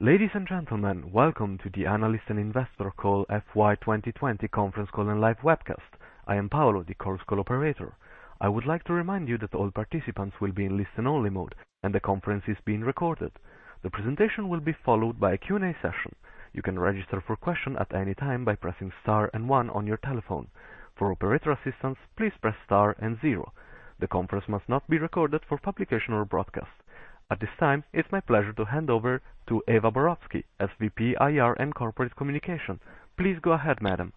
Ladies and gentlemen, welcome to the Analyst and Investor Call FY 2020 conference call and live webcast. I am Paolo, the conference call Operator. I would like to remind you that all participants will be in listen-only mode, and the conference is being recorded. The presentation will be followed by a Q&A session. You can register for question at any time by pressing star and one on your telephone. For operator assistance, please press star and zero. The conference must not be recorded for publication or broadcast. At this time, it's my pleasure to hand over to Eva Borowski, SVP, IR and Corporate Communication. Please go ahead, madam.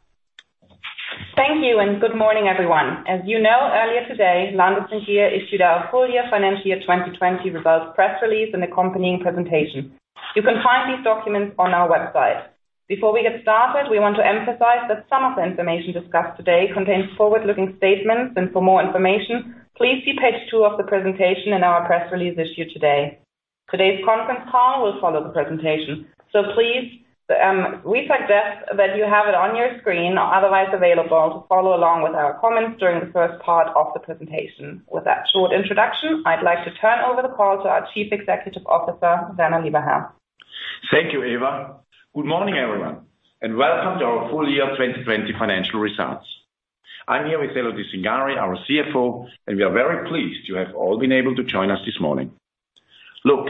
Thank you. Good morning, everyone. As you know, earlier today, Landis+Gyr issued our full year FY 2020 results press release and accompanying presentation. You can find these documents on our website. Before we get started, we want to emphasize that some of the information discussed today contains forward-looking statements. For more information, please see page two of the presentation in our press release issued today. Today's conference call will follow the presentation. We suggest that you have it on your screen or otherwise available to follow along with our comments during the first part of the presentation. With that short introduction, I'd like to turn over the call to our Chief Executive Officer, Werner Lieberherr. Thank you, Eva. Good morning, everyone, and welcome to our full year 2020 financial results. I'm here with Elodie Cingari, our CFO. We are very pleased you have all been able to join us this morning. Look,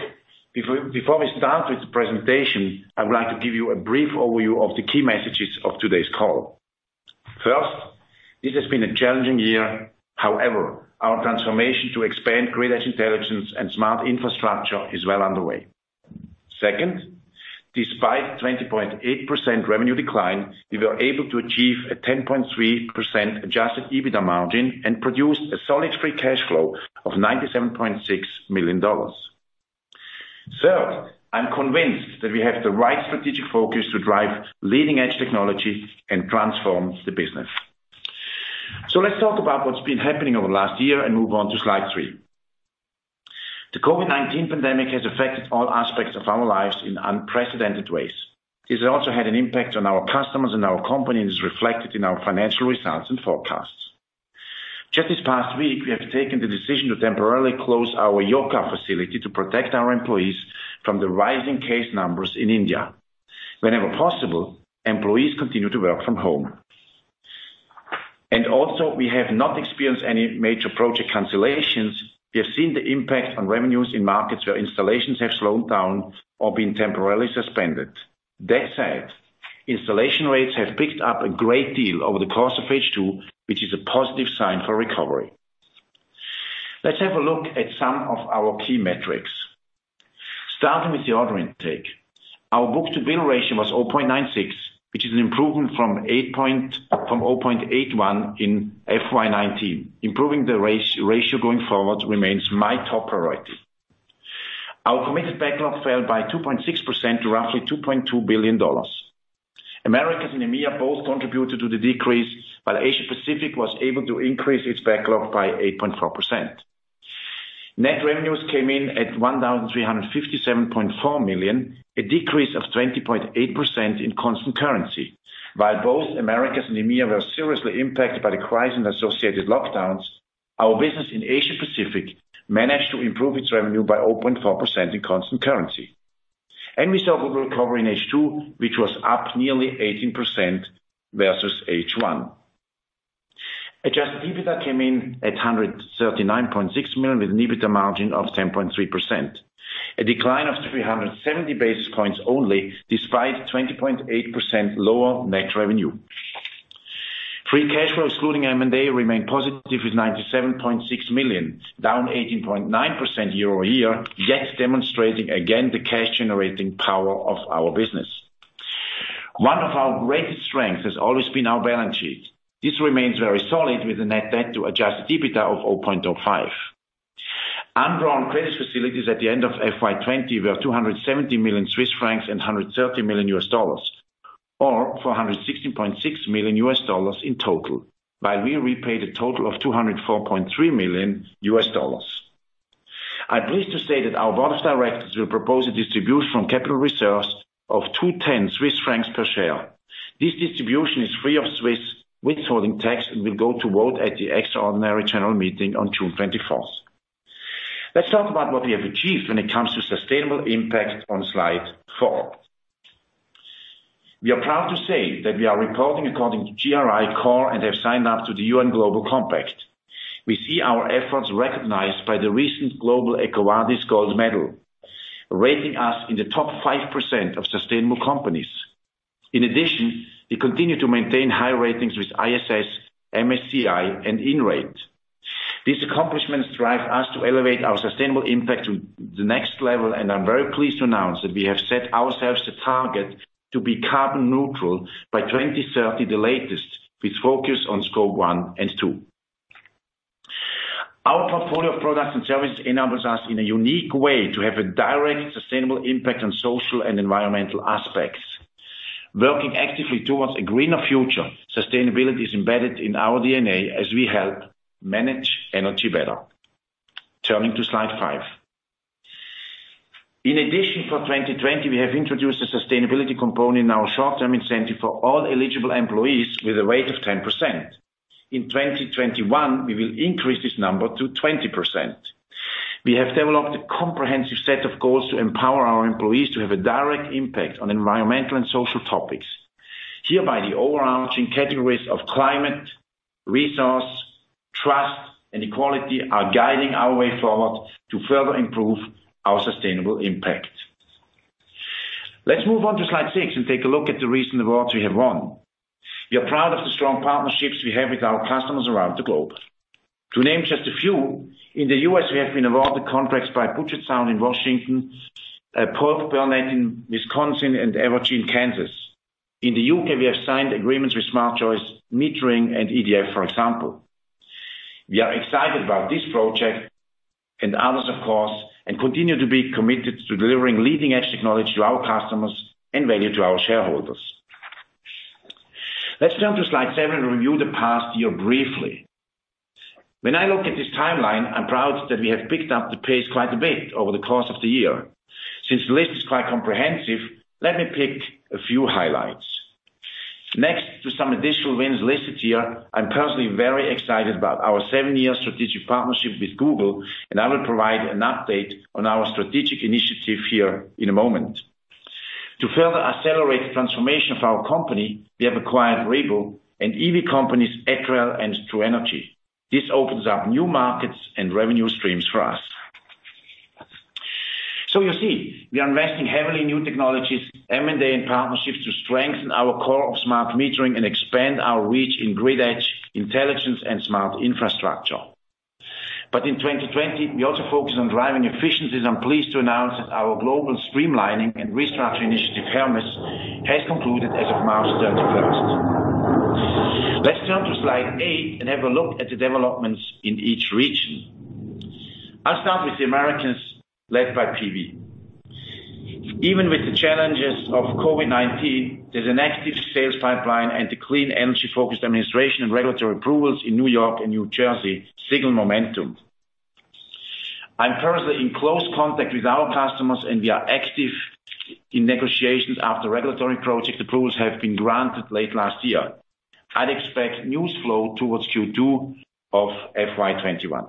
before we start with the presentation, I would like to give you a brief overview of the key messages of today's call. First, this has been a challenging year. However, our transformation to expand critical intelligence and smart infrastructure is well underway. Second, despite 20.8% revenue decline, we were able to achieve a 10.3% adjusted EBITDA margin and produced a solid free cash flow of $97.6 million. Third, I'm convinced that we have the right strategic focus to drive leading-edge technology and transform the business. Let's talk about what's been happening over the last year and move on to slide three. The COVID-19 pandemic has affected all aspects of our lives in unprecedented ways. This has also had an impact on our customers and our company and is reflected in our financial results and forecasts. Just this past week, we have taken the decision to temporarily close our Yercaud facility to protect our employees from the rising case numbers in India. Whenever possible, employees continue to work from home. We have not experienced any major project cancellations. We have seen the impact on revenues in markets where installations have slowed down or been temporarily suspended. That said, installation rates have picked up a great deal over the course of H2, which is a positive sign for recovery. Let's have a look at some of our key metrics. Starting with the order intake. Our book-to-bill ratio was 0.96%, which is an improvement from 0.81% in FY 2019. Improving the ratio going forward remains my top priority. Our committed backlog fell by 2.6% to roughly $2.2 billion. Americas and EMEA both contributed to the decrease, while Asia Pacific was able to increase its backlog by 8.4%. Net revenues came in at $1,357.4 million, a decrease of 20.8% in constant currency. While both Americas and EMEA were seriously impacted by the crisis and associated lockdowns, our business in Asia Pacific managed to improve its revenue by 0.4% in constant currency. We saw good recovery in H2, which was up nearly 18% versus H1. Adjusted EBITDA came in at $139.6 million, with an EBITDA margin of 10.3%. A decline of 370 basis points only despite 20.8% lower net revenue. Free cash flow excluding M&A remained positive with $97.6 million, down 18.9% year-over-year, yet demonstrating again the cash generating power of our business. One of our greatest strengths has always been our balance sheet. This remains very solid with a net debt to adjusted EBITDA of 0.05%. Undrawn credit facilities at the end of FY 2020 were 270 million Swiss francs and $130 million, or $416.6 million in total, while we repaid a total of $204.3 million. I'm pleased to say that our board of directors will propose a distribution from capital reserves of CHF 2.10 per share. This distribution is free of Swiss withholding tax and will go to vote at the extraordinary general meeting on June 24th. Let's talk about what we have achieved when it comes to sustainable impact on slide four. We are proud to say that we are reporting according to GRI Core and have signed up to the UN Global Compact. We see our efforts recognized by the recent global EcoVadis Gold Medal, rating us in the top 5% of sustainable companies. In addition, we continue to maintain high ratings with ISS, MSCI, and Inrate. These accomplishments drive us to elevate our sustainable impact to the next level, and I'm very pleased to announce that we have set ourselves the target to be carbon neutral by 2030, the latest, with focus on scope 1 and scope 2. Our portfolio of products and services enables us in a unique way to have a direct sustainable impact on social and environmental aspects. Working actively towards a greener future, sustainability is embedded in our DNA as we help manage energy better. Turning to slide five. In addition, for 2020, we have introduced a sustainability component in our short-term incentive for all eligible employees with a weight of 10%. In 2021, we will increase this number to 20%. We have developed a comprehensive set of goals to empower our employees to have a direct impact on environmental and social topics. Hereby, the overarching categories of climate, resource, trust, and equality are guiding our way forward to further improve our sustainable impact. Let's move on to slide six and take a look at the recent awards we have won. We are proud of the strong partnerships we have with our customers around the globe. To name just a few, in the U.S., we have been awarded contracts by Puget Sound in Washington, Polk-Burnett in Wisconsin, and Evergy in Kansas. In the U.K., we have signed agreements with Smart Choice Metering and EDF, for example. We are excited about this project and others of course, and continue to be committed to delivering leading-edge technology to our customers and value to our shareholders. Let's turn to slide seven and review the past year briefly. When I look at this timeline, I'm proud that we have picked up the pace quite a bit over the course of the year. Since the list is quite comprehensive, let me pick a few highlights. Next to some additional wins listed here, I'm personally very excited about our seven-year strategic partnership with Google, and I will provide an update on our strategic initiative here in a moment. To further accelerate the transformation of our company, we have acquired Etrel and EV companies, Etrel and True Energy. This opens up new markets and revenue streams for us. You see, we are investing heavily in new technologies, M&A, and partnerships to strengthen our core of smart metering and expand our reach in grid edge intelligence and smart infrastructure. In 2020, we also focused on driving efficiencies. I'm pleased to announce that our global streamlining and restructuring initiative, Hermes, has concluded as of March 31st. Let's turn to slide eight and have a look at the developments in each region. I'll start with the Americas, led by PV. Even with the challenges of COVID-19, there's an active sales pipeline and the clean energy-focused administration and regulatory approvals in New York and New Jersey signal momentum. I'm personally in close contact with our customers, and we are active in negotiations after regulatory project approvals have been granted late last year. I'd expect news flow towards Q2 of FY 2021.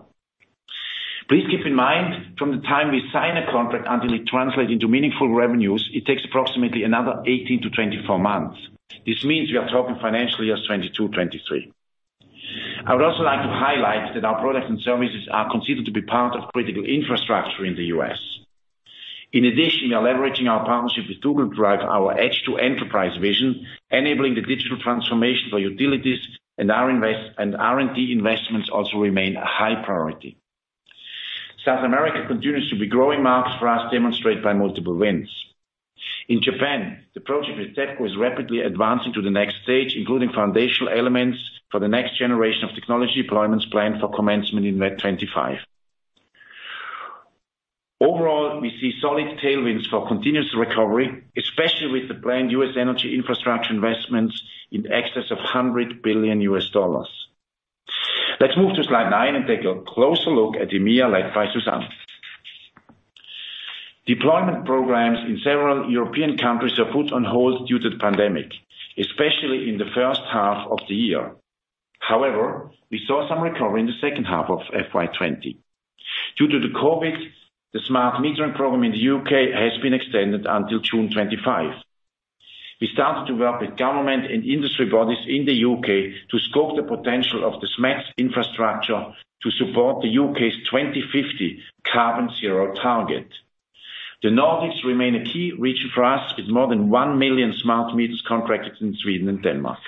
Please keep in mind, from the time we sign a contract until it translates into meaningful revenues, it takes approximately another 18-24 months. This means we are talking financial years 2022, 2023. I would also like to highlight that our products and services are considered to be part of critical infrastructure in the U.S. In addition, we are leveraging our partnership with Google Cloud, our Edge to Enterprise vision, enabling the digital transformation for utilities, and R&D investments also remain a high priority. South America continues to be a growing market for us, demonstrated by multiple wins. In Japan, the project with TEPCO is rapidly advancing to the next stage, including foundational elements for the next generation of technology deployments planned for commencement in May 2025. Overall, we see solid tailwinds for continuous recovery, especially with the planned U.S. energy infrastructure investments in excess of $100 billion. Let's move to slide nine and take a closer look at EMEA, led by Susanne. Deployment programs in several European countries are put on hold due to the pandemic, especially in the first half of the year. However, we saw some recovery in the second half of FY 2020. Due to the COVID, the smart metering program in the U.K. has been extended until June 2025. We started to work with government and industry bodies in the U.K. to scope the potential of the SMETS infrastructure to support the U.K.'s 2050 carbon-zero target. The Nordics remain a key region for us, with more than 1 million smart meters contracted in Sweden and Denmark.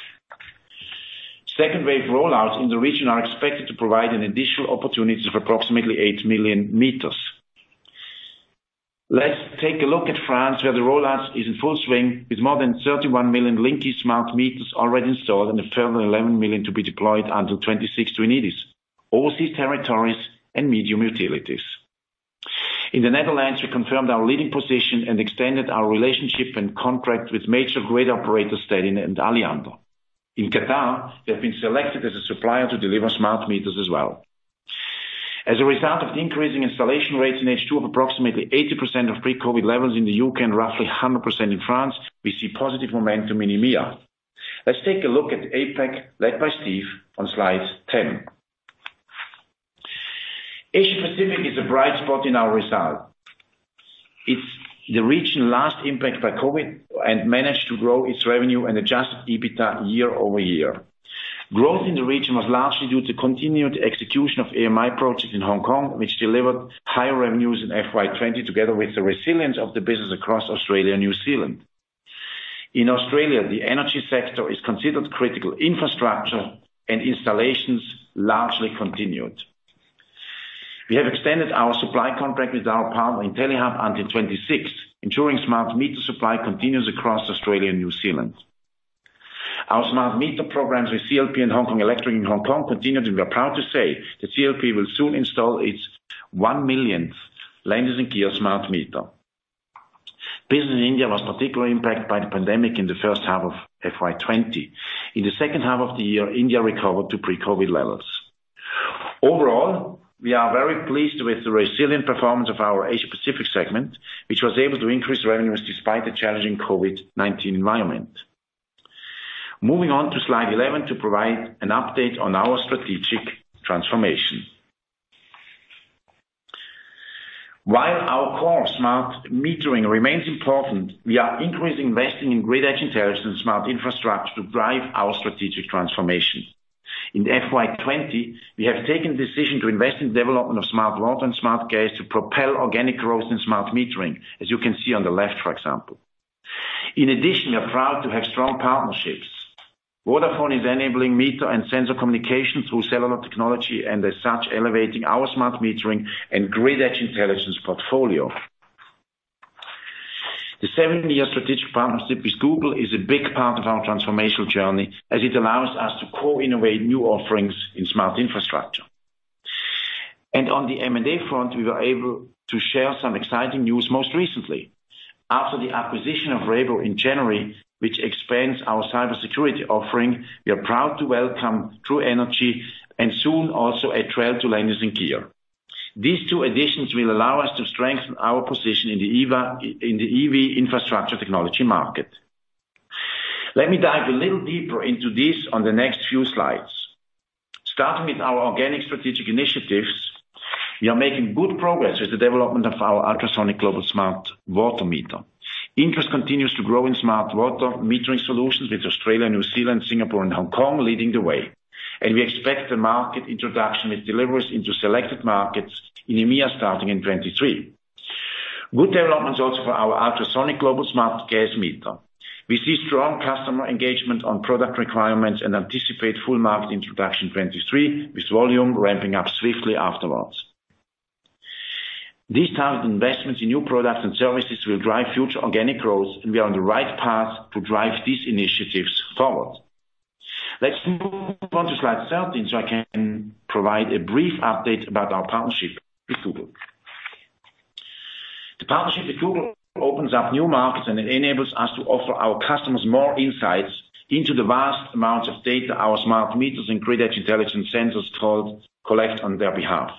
Second-wave rollouts in the region are expected to provide an additional opportunity of approximately 8 million meters. Let's take a look at France, where the rollout is in full swing with more than 31 million Linky smart meters already installed and a further 11 million to be deployed until 2026 to Enedis, overseas territories, and medium utilities. In the Netherlands, we confirmed our leading position and extended our relationship and contract with major grid operators, Stedin and Alliander. In Qatar, we have been selected as a supplier to deliver smart meters as well. As a result of the increasing installation rates in H2 of approximately 80% of pre-COVID levels in the U.K. and roughly 100% in France, we see positive momentum in EMEA. Let's take a look at APAC, led by Steve, on slide 10. Asia Pacific is a bright spot in our result. It's the region last impacted by COVID and managed to grow its revenue and adjusted EBITDA year-over-year. Growth in the region was largely due to continued execution of AMI projects in Hong Kong, which delivered higher revenues in FY 2020, together with the resilience of the business across Australia and New Zealand. In Australia, the energy sector is considered critical infrastructure, and installations largely continued. We have extended our supply contract with our partner Intellihub until 2026, ensuring smart meter supply continues across Australia and New Zealand. Our smart meter programs with CLP in HK Electric and Hong Kong continue, and we are proud to say that CLP will soon install its 1 millionth Landis+Gyr smart meter. Business in India was particularly impacted by the pandemic in the first half of FY 2020. In the second half of the year, India recovered to pre-COVID levels. Overall, we are very pleased with the resilient performance of our Asia-Pacific segment, which was able to increase revenues despite the challenging COVID-19 environment. Moving on to slide 11 to provide an update on our strategic transformation. Our core smart metering remains important, we are increasing investing in Grid Edge Intelligence smart infrastructure to drive our strategic transformation. In FY 2020, we have taken the decision to invest in the development of smart water and smart gas to propel organic growth in smart metering, as you can see on the left, for example. We are proud to have strong partnerships. Vodafone is enabling meter and sensor communication through cellular technology, and as such, elevating our smart metering and Grid Edge Intelligence portfolio. The seven-year strategic partnership with Google is a big part of our transformational journey as it allows us to co-innovate new offerings in smart infrastructure. On the M&A front, we were able to share some exciting news most recently. After the acquisition of Rhebo in January, which expands our cybersecurity offering, we are proud to welcome True Energy, and soon also Etrel to Landis+Gyr. These two additions will allow us to strengthen our position in the EV infrastructure technology market. Let me dive a little deeper into this on the next few slides. Starting with our organic strategic initiatives, we are making good progress with the development of our ultrasonic global smart water meter. Interest continues to grow in smart water metering solutions with Australia, New Zealand, Singapore, and Hong Kong leading the way, and we expect the market introduction with deliveries into selected markets in EMEA starting in 2023. Good developments also for our ultrasonic global smart gas meter. We see strong customer engagement on product requirements and anticipate full market introduction 2023, with volume ramping up swiftly afterwards. These targeted investments in new products and services will drive future organic growth, and we are on the right path to drive these initiatives forward. Let's move on to slide 13 so I can provide a brief update about our partnership with Google. The partnership with Google opens up new markets, and it enables us to offer our customers more insights into the vast amounts of data our smart meters and Grid Edge Intelligence sensors collect on their behalf.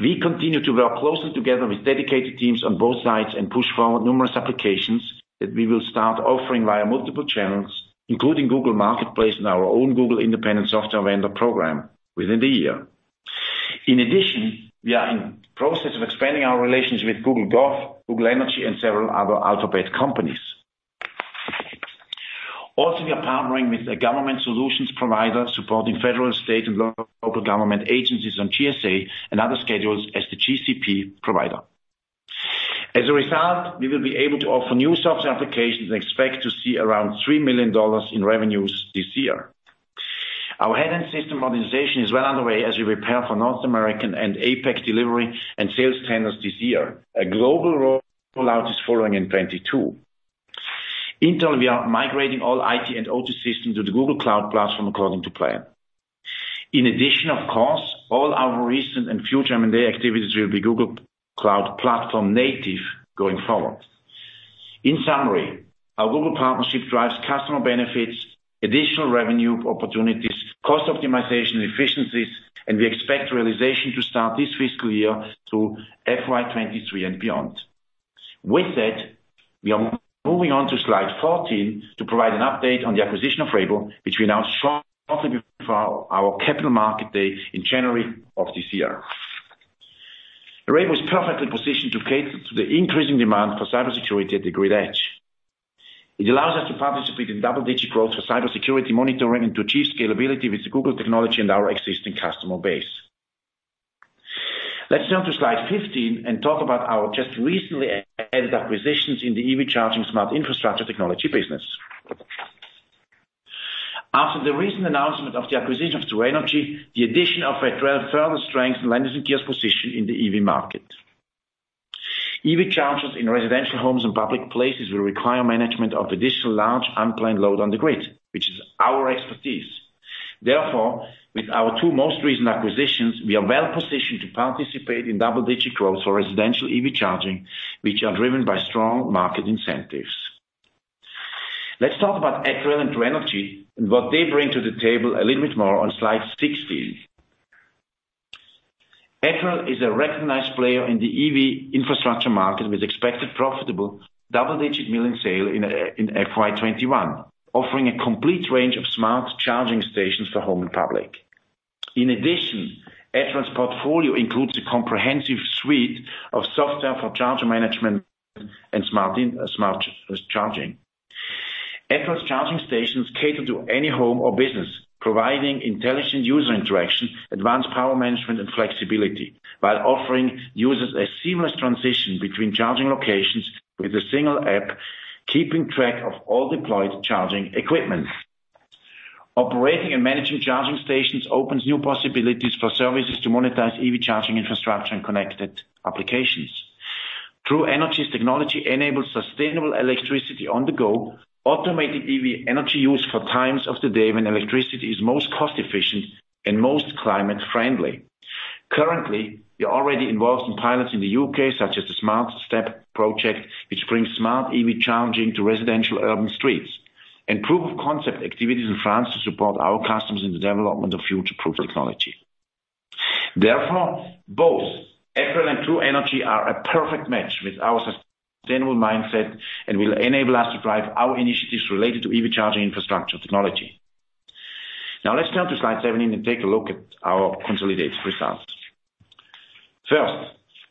We continue to work closely together with dedicated teams on both sides and push forward numerous applications that we will start offering via multiple channels, including Google Cloud Marketplace and our own Google Independent Software Vendor program within the year. In addition, we are in the process of expanding our relationships with Google Gov, Google Energy, and several other Alphabet companies. Also, we are partnering with a government solutions provider supporting federal, state, and local government agencies on GSA and other schedules as the GCP provider. As a result, we will be able to offer new software applications and expect to see around $3 million in revenues this year. Our headend system modernization is well underway as we prepare for North American and APAC delivery and sales tenders this year. A global rollout is following in 2022. Internally, we are migrating all IT and OT systems to the Google Cloud Platform according to plan. In addition, of course, all our recent and future M&A activities will be Google Cloud Platform native going forward. In summary, our Google partnership drives customer benefits, additional revenue opportunities, cost optimization efficiencies, and we expect realization to start this fiscal year through FY 2023 and beyond. With that, we are moving on to slide 14 to provide an update on the acquisition of Rhebo, which we announced shortly before our Capital Markets Day in January of this year. Rhebo is perfectly positioned to cater to the increasing demand for cybersecurity at the grid edge. It allows us to participate in double-digit growth for cybersecurity monitoring and to achieve scalability with the Google technology and our existing customer base. Let's turn to slide 15 and talk about our just recently added acquisitions in the EV charging smart infrastructure technology business. After the recent announcement of the acquisition of True Energy, the addition of Etrel further strengthened Landis+Gyr's position in the EV market. EV chargers in residential homes and public places will require management of the additional large unplanned load on the grid, which is our expertise. With our two most recent acquisitions, we are well-positioned to participate in double-digit growth for residential EV charging, which are driven by strong market incentives. Let's talk about Etrel and True Energy and what they bring to the table a little bit more on slide 16. Etrel is a recognized player in the EV infrastructure market with expected profitable double-digit million sale in FY 2021, offering a complete range of smart charging stations for home and public. In addition, Etrel's portfolio includes a comprehensive suite of software for charger management and smart charging. Etrel's charging stations cater to any home or business, providing intelligent user interaction, advanced power management, and flexibility while offering users a seamless transition between charging locations with a single app, keeping track of all deployed charging equipment. Operating and managing charging stations opens new possibilities for services to monetize EV charging infrastructure and connected applications. True Energy's technology enables sustainable electricity on the go, automated EV energy use for times of the day when electricity is most cost-efficient and most climate-friendly. Currently, we are already involved in pilots in the U.K., such as the Smart STEP project, which brings smart EV charging to residential urban streets, and proof of concept activities in France to support our customers in the development of future-proof technology. Therefore, both Etrel and True Energy are a perfect match with our sustainable mindset and will enable us to drive our initiatives related to EV charging infrastructure technology. Let's turn to slide 17 and take a look at our consolidated results. First,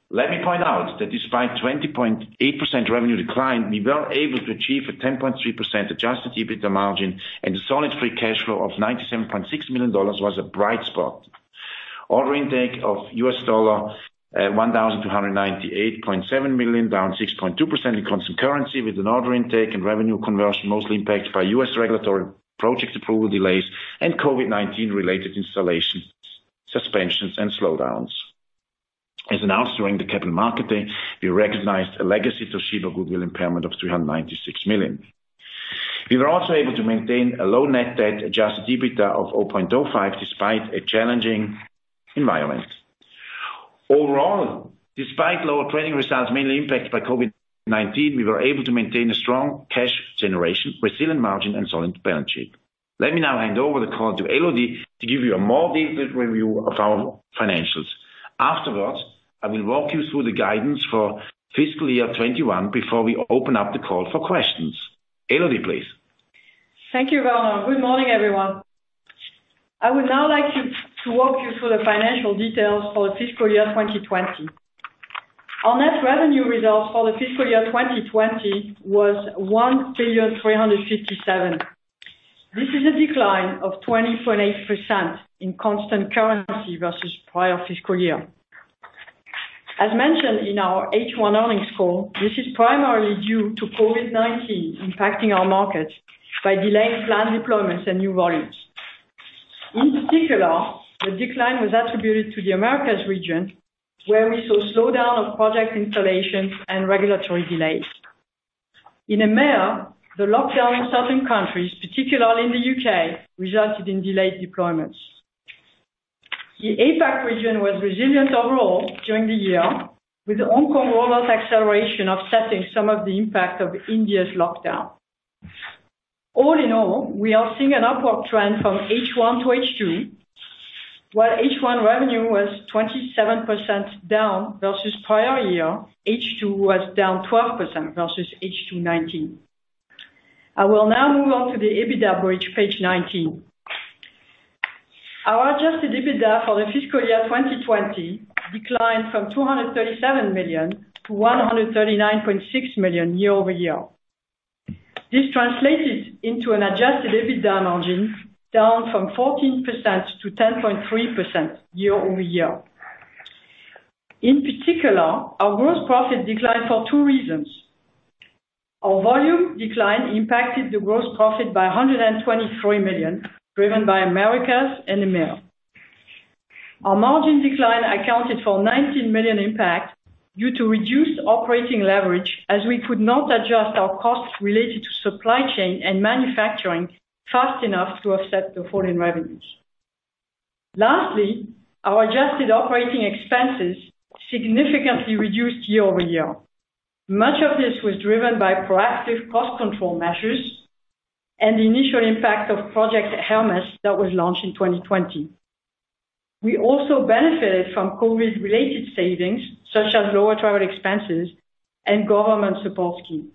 let me point out that despite 20.8% revenue decline, we were able to achieve a 10.3% adjusted EBITDA margin and a solid free cash flow of $97.6 million was a bright spot. Order intake of $1,298.7 million, down 6.2% in constant currency, with an order intake and revenue conversion mostly impacted by U.S. regulatory project approval delays and COVID-19-related installation suspensions and slowdowns. As announced during the Capital Markets Day, we recognized a legacy Toshiba goodwill impairment of 396 million. We were also able to maintain a low net debt-adjusted EBITDA of 0.05%, despite a challenging environment. Overall, despite lower trading results mainly impacted by COVID-19, we were able to maintain a strong cash generation, resilient margin, and solid balance sheet. Let me now hand over the call to Elodie to give you a more detailed review of our financials. Afterwards, I will walk you through the guidance for fiscal year 2021 before we open up the call for questions. Elodie, please. Thank you, Werner. Good morning, everyone. I would now like to walk you through the financial details for the fiscal year 2020. Our net revenue results for the fiscal year 2020 was 1.357 billion. This is a decline of 20.8% in constant currency versus prior fiscal year. As mentioned in our H1 earnings call, this is primarily due to COVID-19 impacting our markets by delaying planned deployments and new volumes. In particular, the decline was attributed to the Americas region, where we saw slowdown of project installations and regulatory delays. In EMEA, the lockdown in certain countries, particularly in the U.K., resulted in delayed deployments. The APAC region was resilient overall during the year, with Hong Kong rollout acceleration offsetting some of the impact of India's lockdown. All in all, we are seeing an upward trend from H1-H2. While H1 revenue was 27% down versus prior year, H2 was down 12% versus H2 2019. I will now move on to the EBITDA bridge, page 19. Our adjusted EBITDA for the fiscal year 2020 declined from 237 million-139.6 million year-over-year. This translated into an adjusted EBITDA margin down from 14%-10.3% year-over-year. In particular, our gross profit declined for two reasons. Our volume decline impacted the gross profit by 123 million, driven by Americas and EMEA. Our margin decline accounted for a 19 million impact due to reduced operating leverage, as we could not adjust our costs related to supply chain and manufacturing fast enough to offset the fall in revenues. Lastly, our adjusted operating expenses significantly reduced year-over-year. Much of this was driven by proactive cost control measures and the initial impact of Project Hermes that was launched in 2020. We also benefited from COVID-related savings, such as lower travel expenses and government support schemes.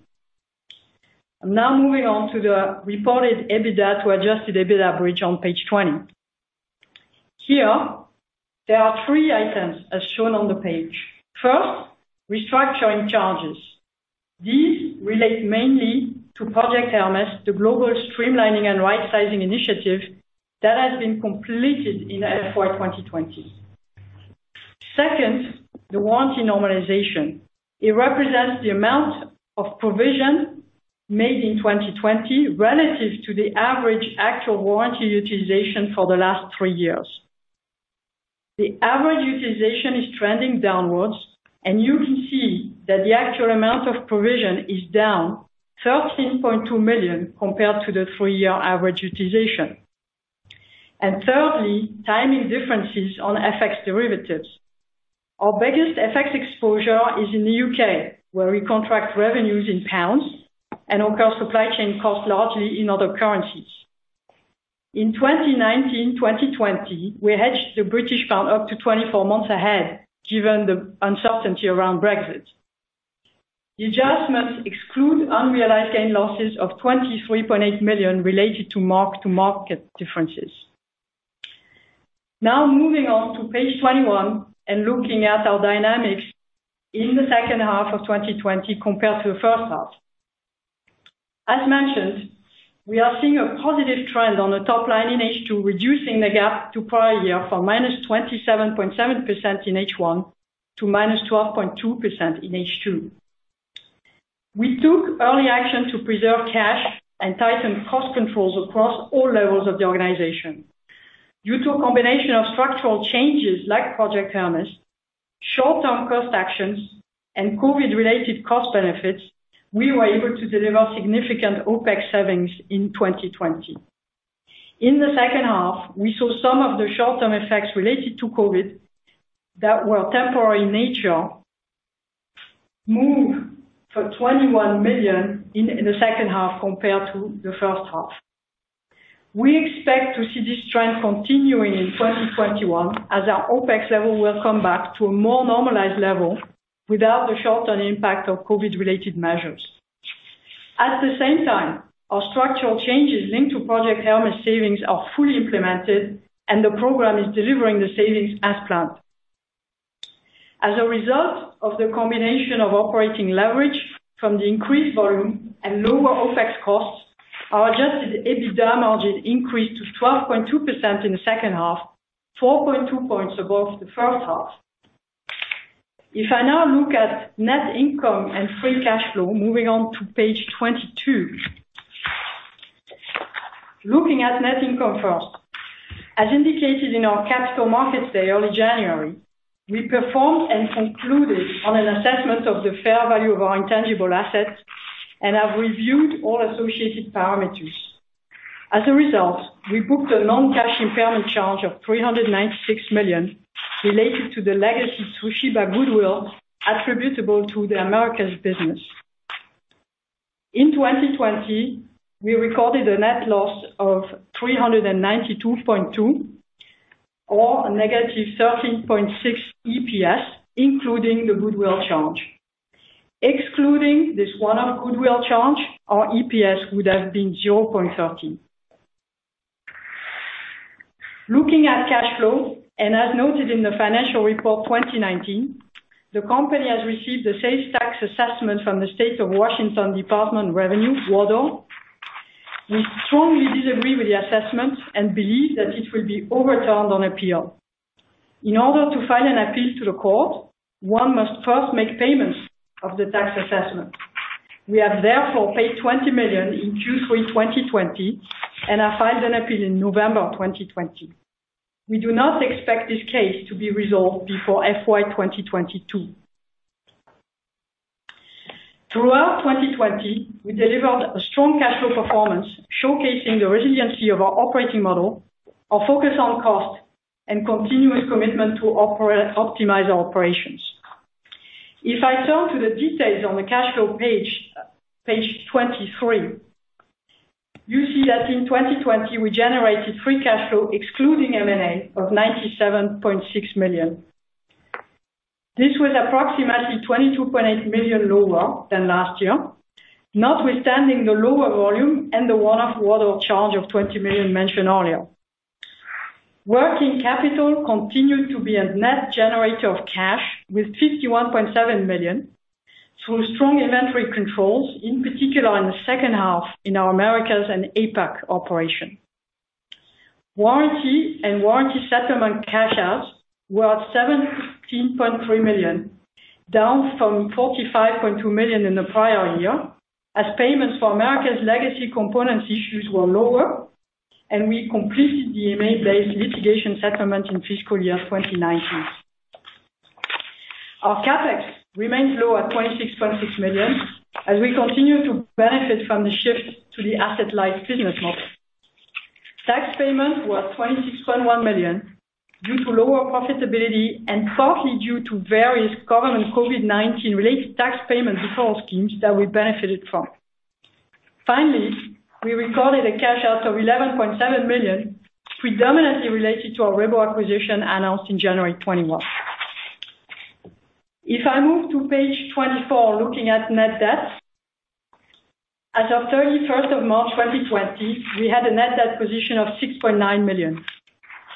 I'm now moving on to the reported EBITDA to adjusted EBITDA bridge on page 20. There are three items as shown on the page. First, restructuring charges. These relate mainly to Project Hermes, the global streamlining and rightsizing initiative that has been completed in FY 2020. Second, the warranty normalization. It represents the amount of provision made in 2020 relative to the average actual warranty utilization for the last three years. The average utilization is trending downwards. You can see that the actual amount of provision is down 13.2 million compared to the three-year average utilization. Thirdly, timing differences on FX derivatives. Our biggest FX exposure is in the U.K., where we contract revenues in British pounds and incur supply chain costs largely in other currencies. In 2019, 2020, we hedged the British pound up to 24 months ahead, given the uncertainty around Brexit. The adjustments exclude unrealized gain losses of 23.8 million related to mark-to-market differences. Moving on to page 21 and looking at our dynamics in the second half of 2020 compared to the first half. As mentioned, we are seeing a positive trend on the top line in H2, reducing the gap to prior year from -27.7% in H1 to -12.2% in H2. We took early action to preserve cash and tighten cost controls across all levels of the organization. Due to a combination of structural changes like Project Hermes, short-term cost actions and COVID-related cost benefits, we were able to deliver significant OpEx savings in 2020. In the second half, we saw some of the short-term effects related to COVID that were temporary in nature, move for 21 million in the second half compared to the first half. We expect to see this trend continuing in 2021 as our OpEx level will come back to a more normalized level without the short-term impact of COVID-related measures. At the same time, our structural changes linked to Project Hermes savings are fully implemented and the program is delivering the savings as planned. As a result of the combination of operating leverage from the increased volume and lower OpEx costs, our adjusted EBITDA margin increased to 12.2% in the second half, 4.2 points above the first half. I now look at net income and free cash flow, moving on to page 22. Looking at net income first. As indicated in our Capital Markets Day early January, we performed and concluded on an assessment of the fair value of our intangible assets and have reviewed all associated parameters. As a result, we booked a non-cash impairment charge of 396 million related to the legacy Toshiba goodwill attributable to the Americas business. In 2020, we recorded a net loss of 392.2 or a -$13.6 EPS, including the goodwill charge. Excluding this one-off goodwill charge, our EPS would have been $0.13. Looking at cash flow, and as noted in the financial report 2019, the company has received a sales tax assessment from the State of Washington Department of Revenue, DOR. We strongly disagree with the assessment and believe that it will be overturned on appeal. In order to file an appeal to the court, one must first make payments of the tax assessment. We have therefore paid 20 million in Q3 2020 and have filed an appeal in November 2020. We do not expect this case to be resolved before FY 2022. Throughout 2020, we delivered a strong cash flow performance showcasing the resiliency of our operating model, our focus on cost, and continuous commitment to optimize our operations. If I turn to the details on the cash flow page 23, you see that in 2020, we generated free cash flow excluding M&A of 97.6 million. This was approximately 22.8 million lower than last year, notwithstanding the lower volume and the one-off water charge of 20 million mentioned earlier. Working capital continued to be a net generator of cash with 51.7 million through strong inventory controls, in particular in the second half in our Americas and APAC operations. Warranty and warranty settlement cash outs were 17.3 million, down from 45.2 million in the prior year, as payments for Americas legacy component issues were lower, and we completed the M&A-based litigation settlement in fiscal year 2019. Our CapEx remains low at 26.6 million as we continue to benefit from the shift to the asset-light business model. Tax payment was 26.1 million due to lower profitability and partly due to various government COVID-19-related tax payment deferral schemes that we benefited from. Finally, we recorded a cash out of 11.7 million predominantly related to our Rhebo acquisition announced in January 2021. If I move to page 24, looking at net debt. As of 31st of March 2020, we had a net debt position of 6.9 million.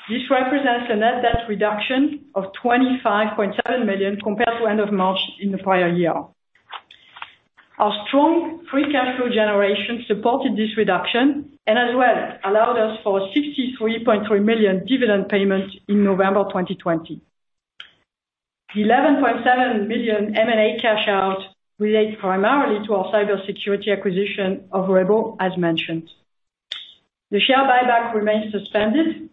This represents a net debt reduction of 25.7 million compared to end of March in the prior year. Our strong free cash flow generation supported this reduction and as well allowed us for a 63.3 million dividend payment in November 2020. The 11.7 billion M&A cash out relate primarily to our cybersecurity acquisition of Rhebo, as mentioned. The share buyback remains suspended,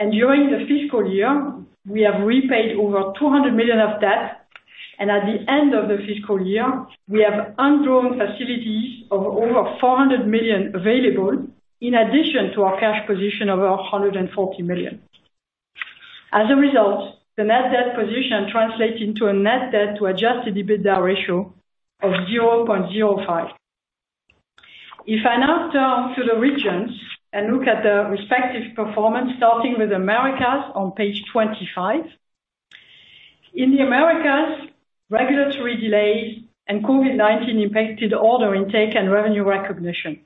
and during the fiscal year, we have repaid over 200 million of debt, and at the end of the fiscal year, we have undrawn facilities of over 400 million available in addition to our cash position of 140 million. As a result, the net debt position translates into a net debt to adjusted EBITDA ratio of 0.05%. If I now turn to the regions and look at the respective performance starting with Americas on page 25. In the Americas, regulatory delays and COVID-19 impacted order intake and revenue recognition.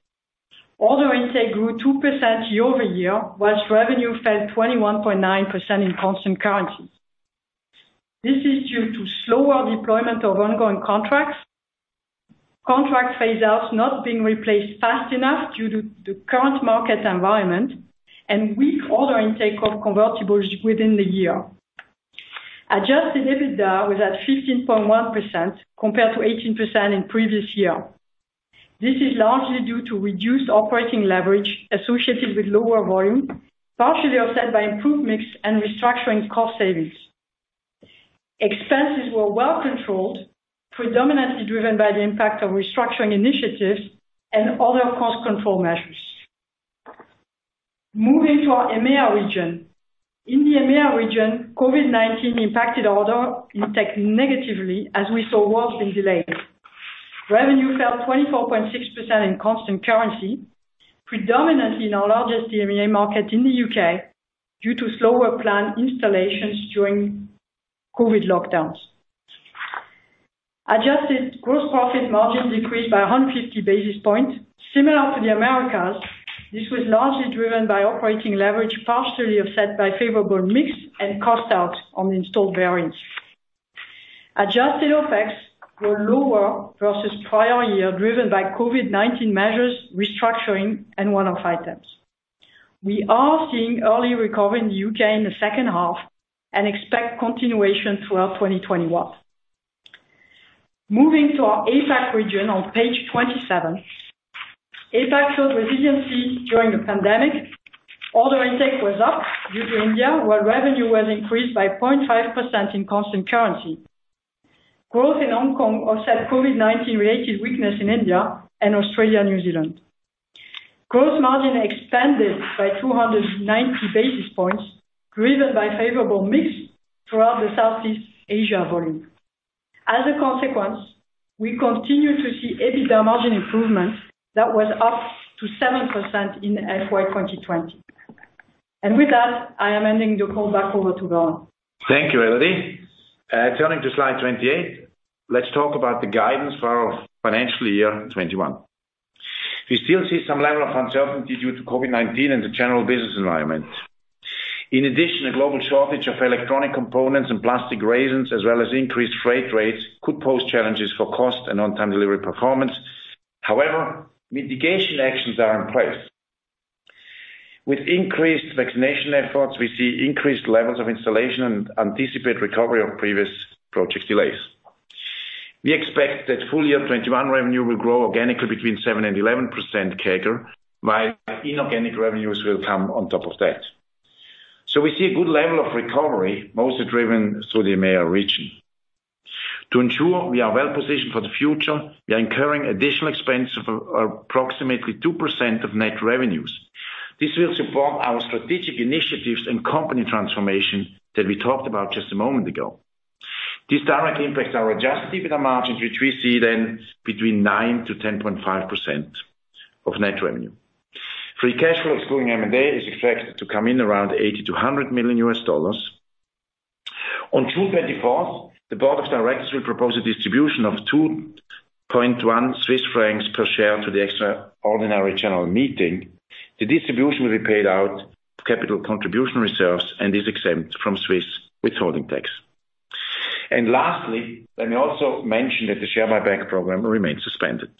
Order intake grew 2% year-over-year, whilst revenue fell 21.9% in constant currency. This is due to slower deployment of ongoing contracts, contract phase-outs not being replaced fast enough due to the current market environment, and weak order intake of convertibles within the year. Adjusted EBITDA was at 15.1% compared to 18% in previous year. This is largely due to reduced operating leverage associated with lower volume, partially offset by improved mix and restructuring cost savings. Expenses were well controlled, predominantly driven by the impact of restructuring initiatives and other cost control measures. Moving to our EMEA region. In the EMEA region, COVID-19 impacted order intake negatively as we saw work being delayed. Revenue fell 24.6% in constant currency, predominantly in our largest EMEA market in the U.K., due to slower plan installations during COVID lockdowns. Adjusted gross profit margin decreased by 150 basis points. Similar to the Americas, this was largely driven by operating leverage, partially offset by favorable mix and cost out on installed base earnings. Adjusted OpEx were lower versus prior year, driven by COVID-19 measures, restructuring, and one-off items. We are seeing early recovery in the U.K., in the second half and expect continuation throughout 2021. Moving to our APAC region on page 27. APAC showed resiliency during the pandemic. Order intake was up due to India, while revenue was increased by 0.5% in constant currency. Growth in Hong Kong offset COVID-19-related weakness in India and Australia, New Zealand. Gross margin expanded by 290 basis points, driven by favorable mix throughout the Southeast Asia volume. As a consequence, we continue to see EBITDA margin improvement that was up to 7% in FY 2020. With that, I am ending the call back over to Werner. Thank you, Elodie. Turning to slide 28, let's talk about the guidance for our financial year 2021. We still see some level of uncertainty due to COVID-19 and the general business environment. In addition, a global shortage of electronic components and plastic resins, as well as increased freight rates, could pose challenges for cost and on-time delivery performance. However, mitigation actions are in place. With increased vaccination efforts, we see increased levels of installation and anticipate recovery of previous project delays. We expect that full year 2021 revenue will grow organically between 7% and 11% CAGR, while inorganic revenues will come on top of that. We see a good level of recovery, mostly driven through the EMEA region. To ensure we are well-positioned for the future, we are incurring additional expense of approximately 2% of net revenues. This will support our strategic initiatives and company transformation that we talked about just a moment ago. This directly impacts our adjusted EBITDA margins, which we see then between 9%-10.5% of net revenue. Free cash flow excluding M&A is expected to come in around $80 million-$100 million. On June 24th, the board of directors will propose a distribution of 2.1 Swiss francs per share to the extraordinary general meeting. The distribution will be paid out of capital contribution reserves and is exempt from Swiss withholding tax. Lastly, let me also mention that the Share Buyback Program remains suspended.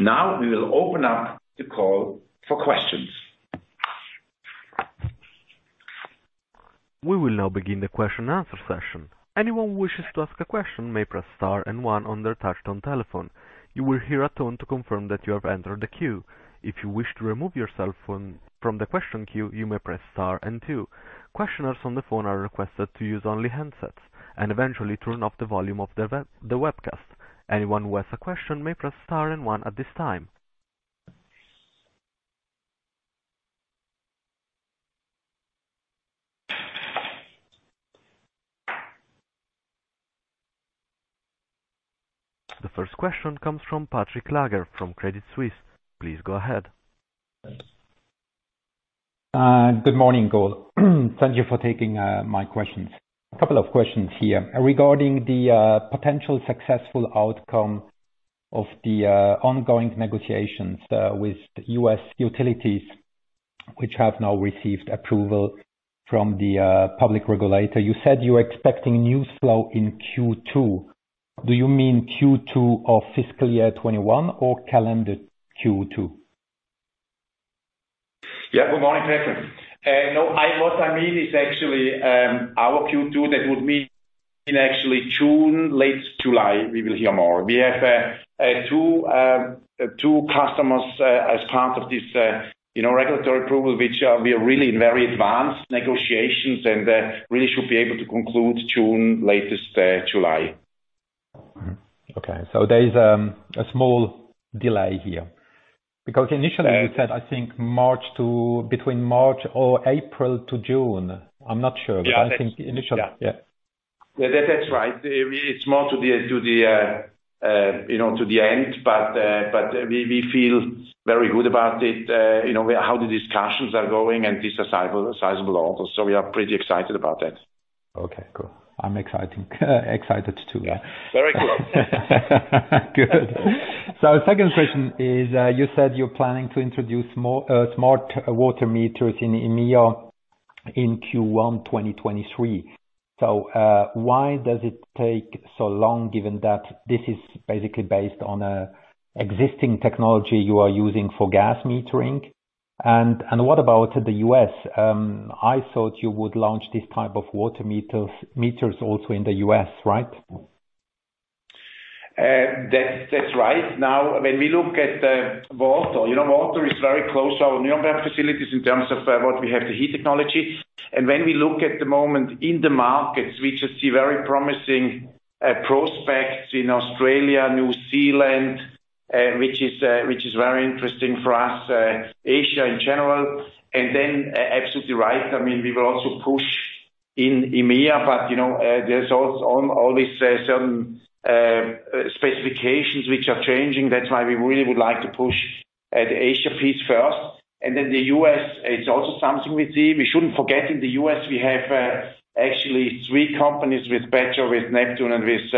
Now we will open up the call for questions. We will now begin the question-and-answer session. Anyone who wishes to ask a question may press star and one on their touch-tone telephone. You will hear a tone to confirm that you have entered the queue. If you wish to remove yourself from the question queue, you may press star and two. Questioners on the phone are requested to use only handsets and eventually turn off the volume of the webcast. Anyone who has a question may press star and one at this time. The first question comes from Patrick Laager from Credit Suisse. Please go ahead. Good morning, all. Thank you for taking my questions. A couple of questions here. Regarding the potential successful outcome of the ongoing negotiations with U.S. utilities, which have now received approval from the public regulator. You said you're expecting news flow in Q2. Do you mean Q2 of FY 2021 or calendar Q2? Yeah. Good morning, Patrick. What I mean is actually our Q2. That would mean actually June, late July, we will hear more. We have two customers as part of this regulatory approval, which we are really in very advanced negotiations and really should be able to conclude June, latest July. Okay. There is a small delay here because initially you said, I think between March or April to June. I am not sure. Yeah. I think initially. Yeah. That's right. It's more to the end, but we feel very good about it, how the discussions are going and this is a sizable offer. We are pretty excited about that. Okay, cool. I'm excited too. Yeah. Very cool. Good. Second question is, you said you're planning to introduce smart water meters in EMEA in Q1 2023. Why does it take so long given that this is basically based on existing technology you are using for gas metering? What about the U.S.? I thought you would launch this type of water meters also in the U.S., right? That's right. When we look at water. water is very close to our Nuremberg facilities in terms of what we have, the heat technology. When we look at the moment in the markets, we just see very promising prospects in Australia, New Zealand, which is very interesting for us, Asia in general. Absolutely right, we will also push in EMEA. There are always some specifications which are changing. That's why we really would like to push the Asia piece first, and then the U.S. is also something we see. We shouldn't forget, in the U.S., we have actually three companies with Badger, with Neptune, and with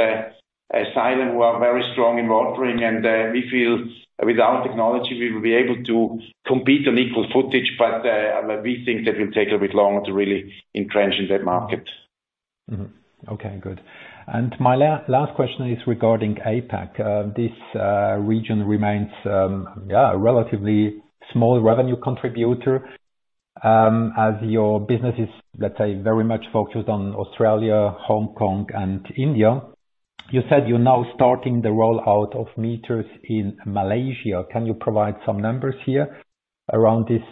Sensus, who are very strong in water reading. We feel with our technology, we will be able to compete on equal footage. We think that will take a bit longer to really entrench in that market. Mm-hmm. Okay, good. My last question is regarding APAC. This region remains a relatively small revenue contributor, as your business is, let's say, very much focused on Australia, Hong Kong and India. You said you're now starting the rollout of meters in Malaysia. Can you provide some numbers here around this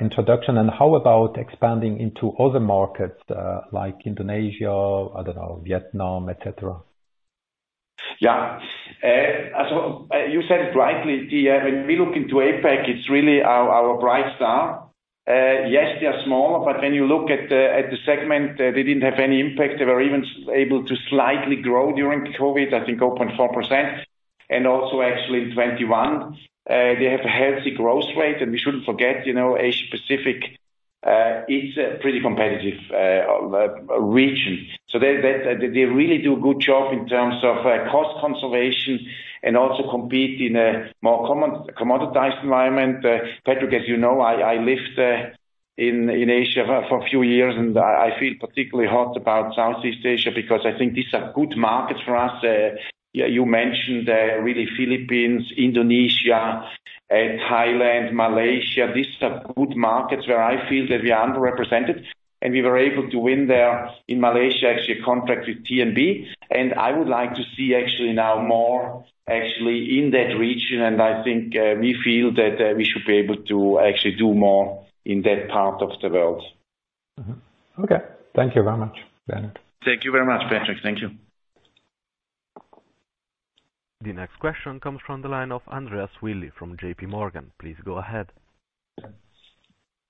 introduction, and how about expanding into other markets like Indonesia, I don't know, Vietnam, et cetera? Yeah. You said it rightly, when we look into APAC, it's really our bright star. Yes, they are small, but when you look at the segment, they didn't have any impact. They were even able to slightly grow during COVID, I think 0.4%. Also actually in 2021. They have a healthy growth rate, and we shouldn't forget, Asia Pacific, it's a pretty competitive region. They really do a good job in terms of cost conservation and also compete in a more commoditized environment. Patrick, as you know, I lived in Asia for a few years, and I feel particularly hot about Southeast Asia because I think these are good markets for us. You mentioned, really Philippines, Indonesia, Thailand, Malaysia. These are good markets where I feel that we are underrepresented, and we were able to win there in Malaysia, actually a contract with TNB. I would like to see now more actually in that region. I think we feel that we should be able to actually do more in that part of the world. Mm-hmm. Okay. Thank you very much, Werner. Thank you very much, Patrick. Thank you. The next question comes from the line of Andreas Willi from JPMorgan. Please go ahead.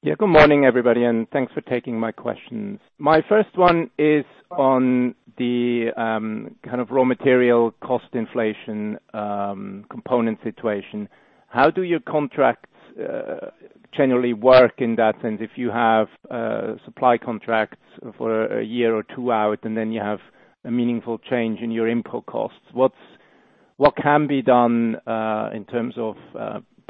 Good morning, everybody, thanks for taking my questions. My first one is on the kind of raw material cost inflation component situation. How do your contracts generally work in that sense, if you have supply contracts for a year or two out, and then you have a meaningful change in your input costs? What can be done, in terms of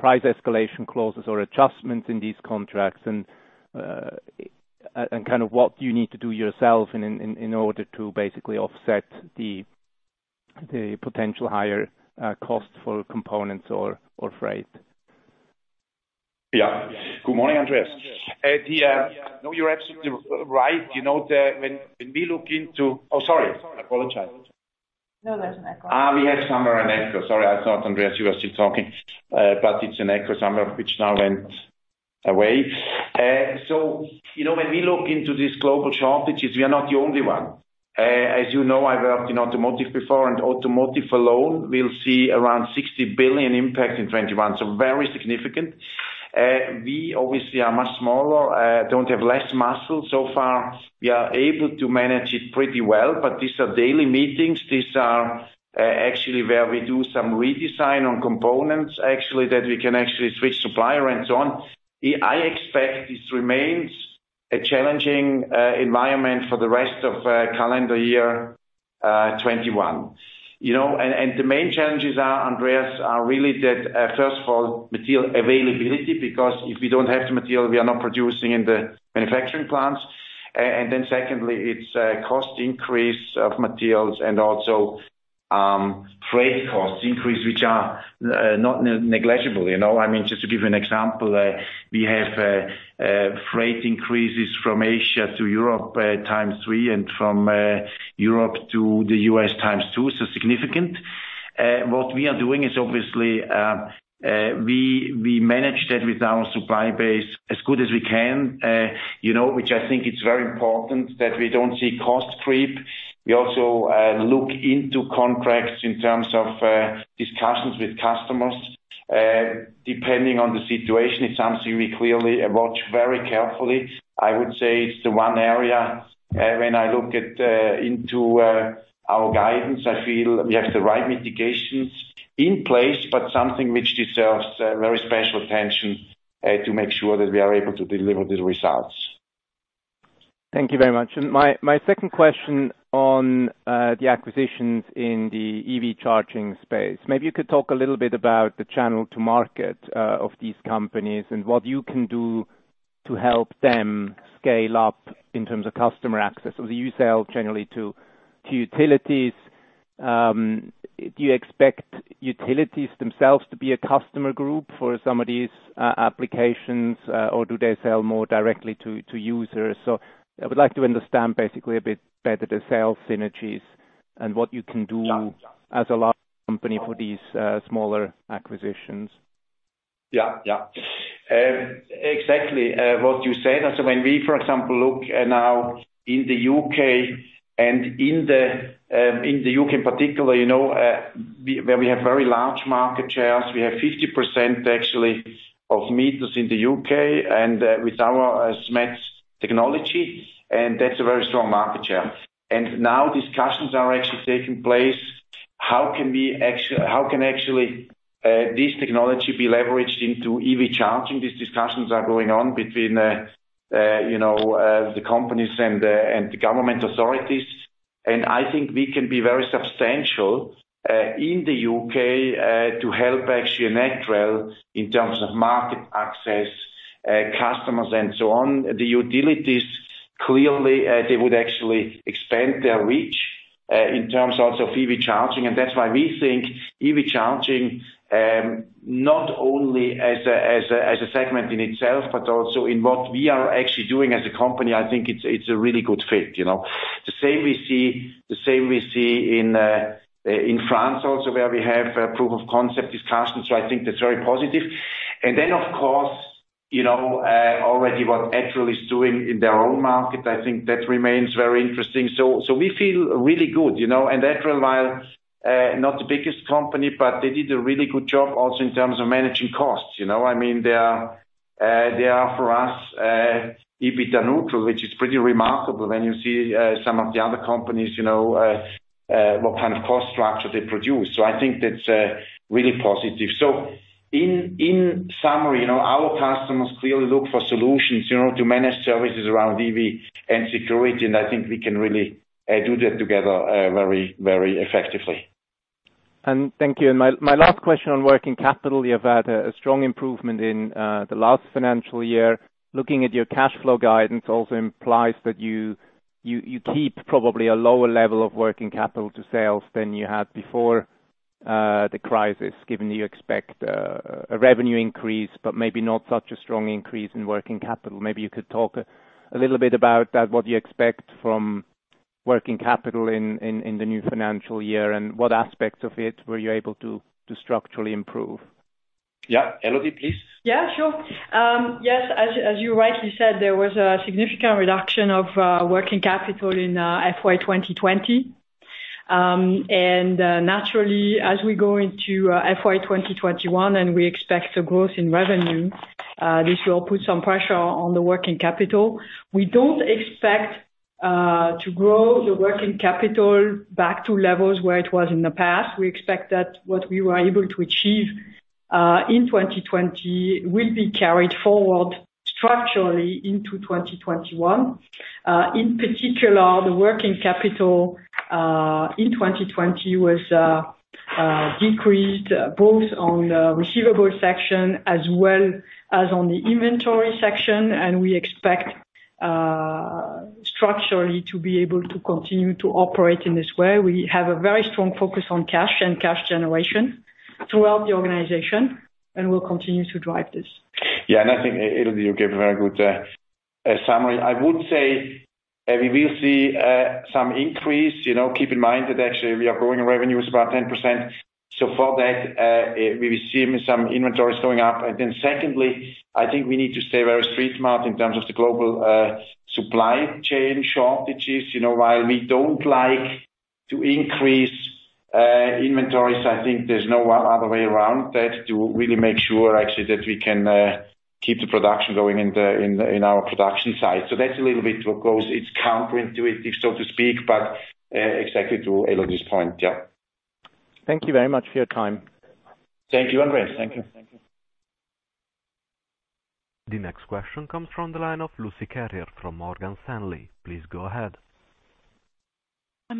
price escalation clauses or adjustments in these contracts and kind of what you need to do yourself in order to basically offset the potential higher cost for components or freight? Good morning, Andreas. No, you're absolutely right. Oh, sorry. I apologize. No, there's an echo. We had some echo. Sorry. I thought, Andreas, you were still talking. It's an echo, some of which now went away. When we look into these global shortages, we are not the only one. As you know, I've worked in automotive before, automotive alone will see around 60 billion impact in 2021, so very significant. We obviously are much smaller, don't have less muscle. So far, we are able to manage it pretty well. These are daily meetings. These are actually where we do some redesign on components, actually, that we can actually switch supplier and so on. I expect this remains a challenging environment for the rest of calendar year 2021. The main challenges are, Andreas, really that, first of all, material availability, because if we don't have the material, we are not producing in the manufacturing plants. Then secondly, it's cost increase of materials and also freight costs increase, which are not negligible. Just to give you an example, we have freight increases from Asia to Europe times three and from Europe to the U.S. times two, so significant. What we are doing is obviously, we manage that with our supply base as good as we can, which I think it's very important that we don't see cost creep. We also look into contracts in terms of discussions with customers. Depending on the situation, it's something we clearly watch very carefully. I would say it's the one area when I look into our guidance, I feel we have the right mitigations in place, but something which deserves very special attention to make sure that we are able to deliver the results. Thank you very much. My second question on the acquisitions in the EV charging space. Maybe you could talk a little bit about the channel to market of these companies and what you can do to help them scale up in terms of customer access. You sell generally to utilities. Do you expect utilities themselves to be a customer group for some of these applications, or do they sell more directly to users? I would like to understand basically a bit better the sales synergies and what you can do. Yeah. As a large company for these smaller acquisitions. Yeah. Exactly, what you said. When we, for example, look now in the U.K., and in the U.K. in particular, where we have very large market shares. We have 50% actually of meters in the U.K., and with our smart technology, and that's a very strong market share. Now discussions are actually taking place, how can actually this technology be leveraged into EV charging? These discussions are going on between the companies and the government authorities. I think we can be very substantial, in the U.K., to help actually Etrel in terms of market access, customers and so on. The utilities, clearly, they would actually expand their reach, in terms also of EV charging. That's why we think EV charging, not only as a segment in itself, but also in what we are actually doing as a company, I think it's a really good fit. The same we see in France also where we have proof of concept discussions. I think that's very positive. Of course, already what Etrel is doing in their own market, I think that remains very interesting. We feel really good. Etrel, while not the biggest company, but they did a really good job also in terms of managing costs. They are, for us, EBITDA neutral, which is pretty remarkable when you see some of the other companies, what kind of cost structure they produce. I think that's really positive. In summary, our customers clearly look for solutions to manage services around EV and security, and I think we can really do that together very effectively. Thank you. My last question on working capital. You've had a strong improvement in the last financial year. Looking at your cash flow guidance also implies that you keep probably a lower level of working capital to sales than you had before the crisis, given that you expect a revenue increase, but maybe not such a strong increase in working capital. Maybe you could talk a little bit about that, what you expect from working capital in the new financial year, and what aspects of it were you able to structurally improve? Yeah. Elodie, please? Yes, as you rightly said, there was a significant reduction of working capital in FY 2020. Naturally, as we go into FY 2021 and we expect a growth in revenue, this will put some pressure on the working capital. We don't expect to grow the working capital back to levels where it was in the past. We expect that what we were able to achieve in 2020 will be carried forward structurally into 2021. In particular, the working capital in 2020 was decreased both on the receivables section as well as on the inventory section, and we expect structurally to be able to continue to operate in this way. We have a very strong focus on cash and cash generation throughout the organization, and we'll continue to drive this. I think, Elodie, you gave a very good summary. I would say we will see some increase. Keep in mind that actually we are growing revenues about 10%. For that, we will see some inventories going up. Secondly, I think we need to stay very street smart in terms of the global supply chain shortages. While we don't like to increase inventories, I think there's no other way around that to really make sure actually that we can keep the production going in our production side. That's a little bit what goes. It's counterintuitive, so to speak, but exactly to Elodie's point. Yeah. Thank you very much for your time. Thank you, Andreas. Thank you. The next question comes from the line of Lucie Carrier from Morgan Stanley. Please go ahead.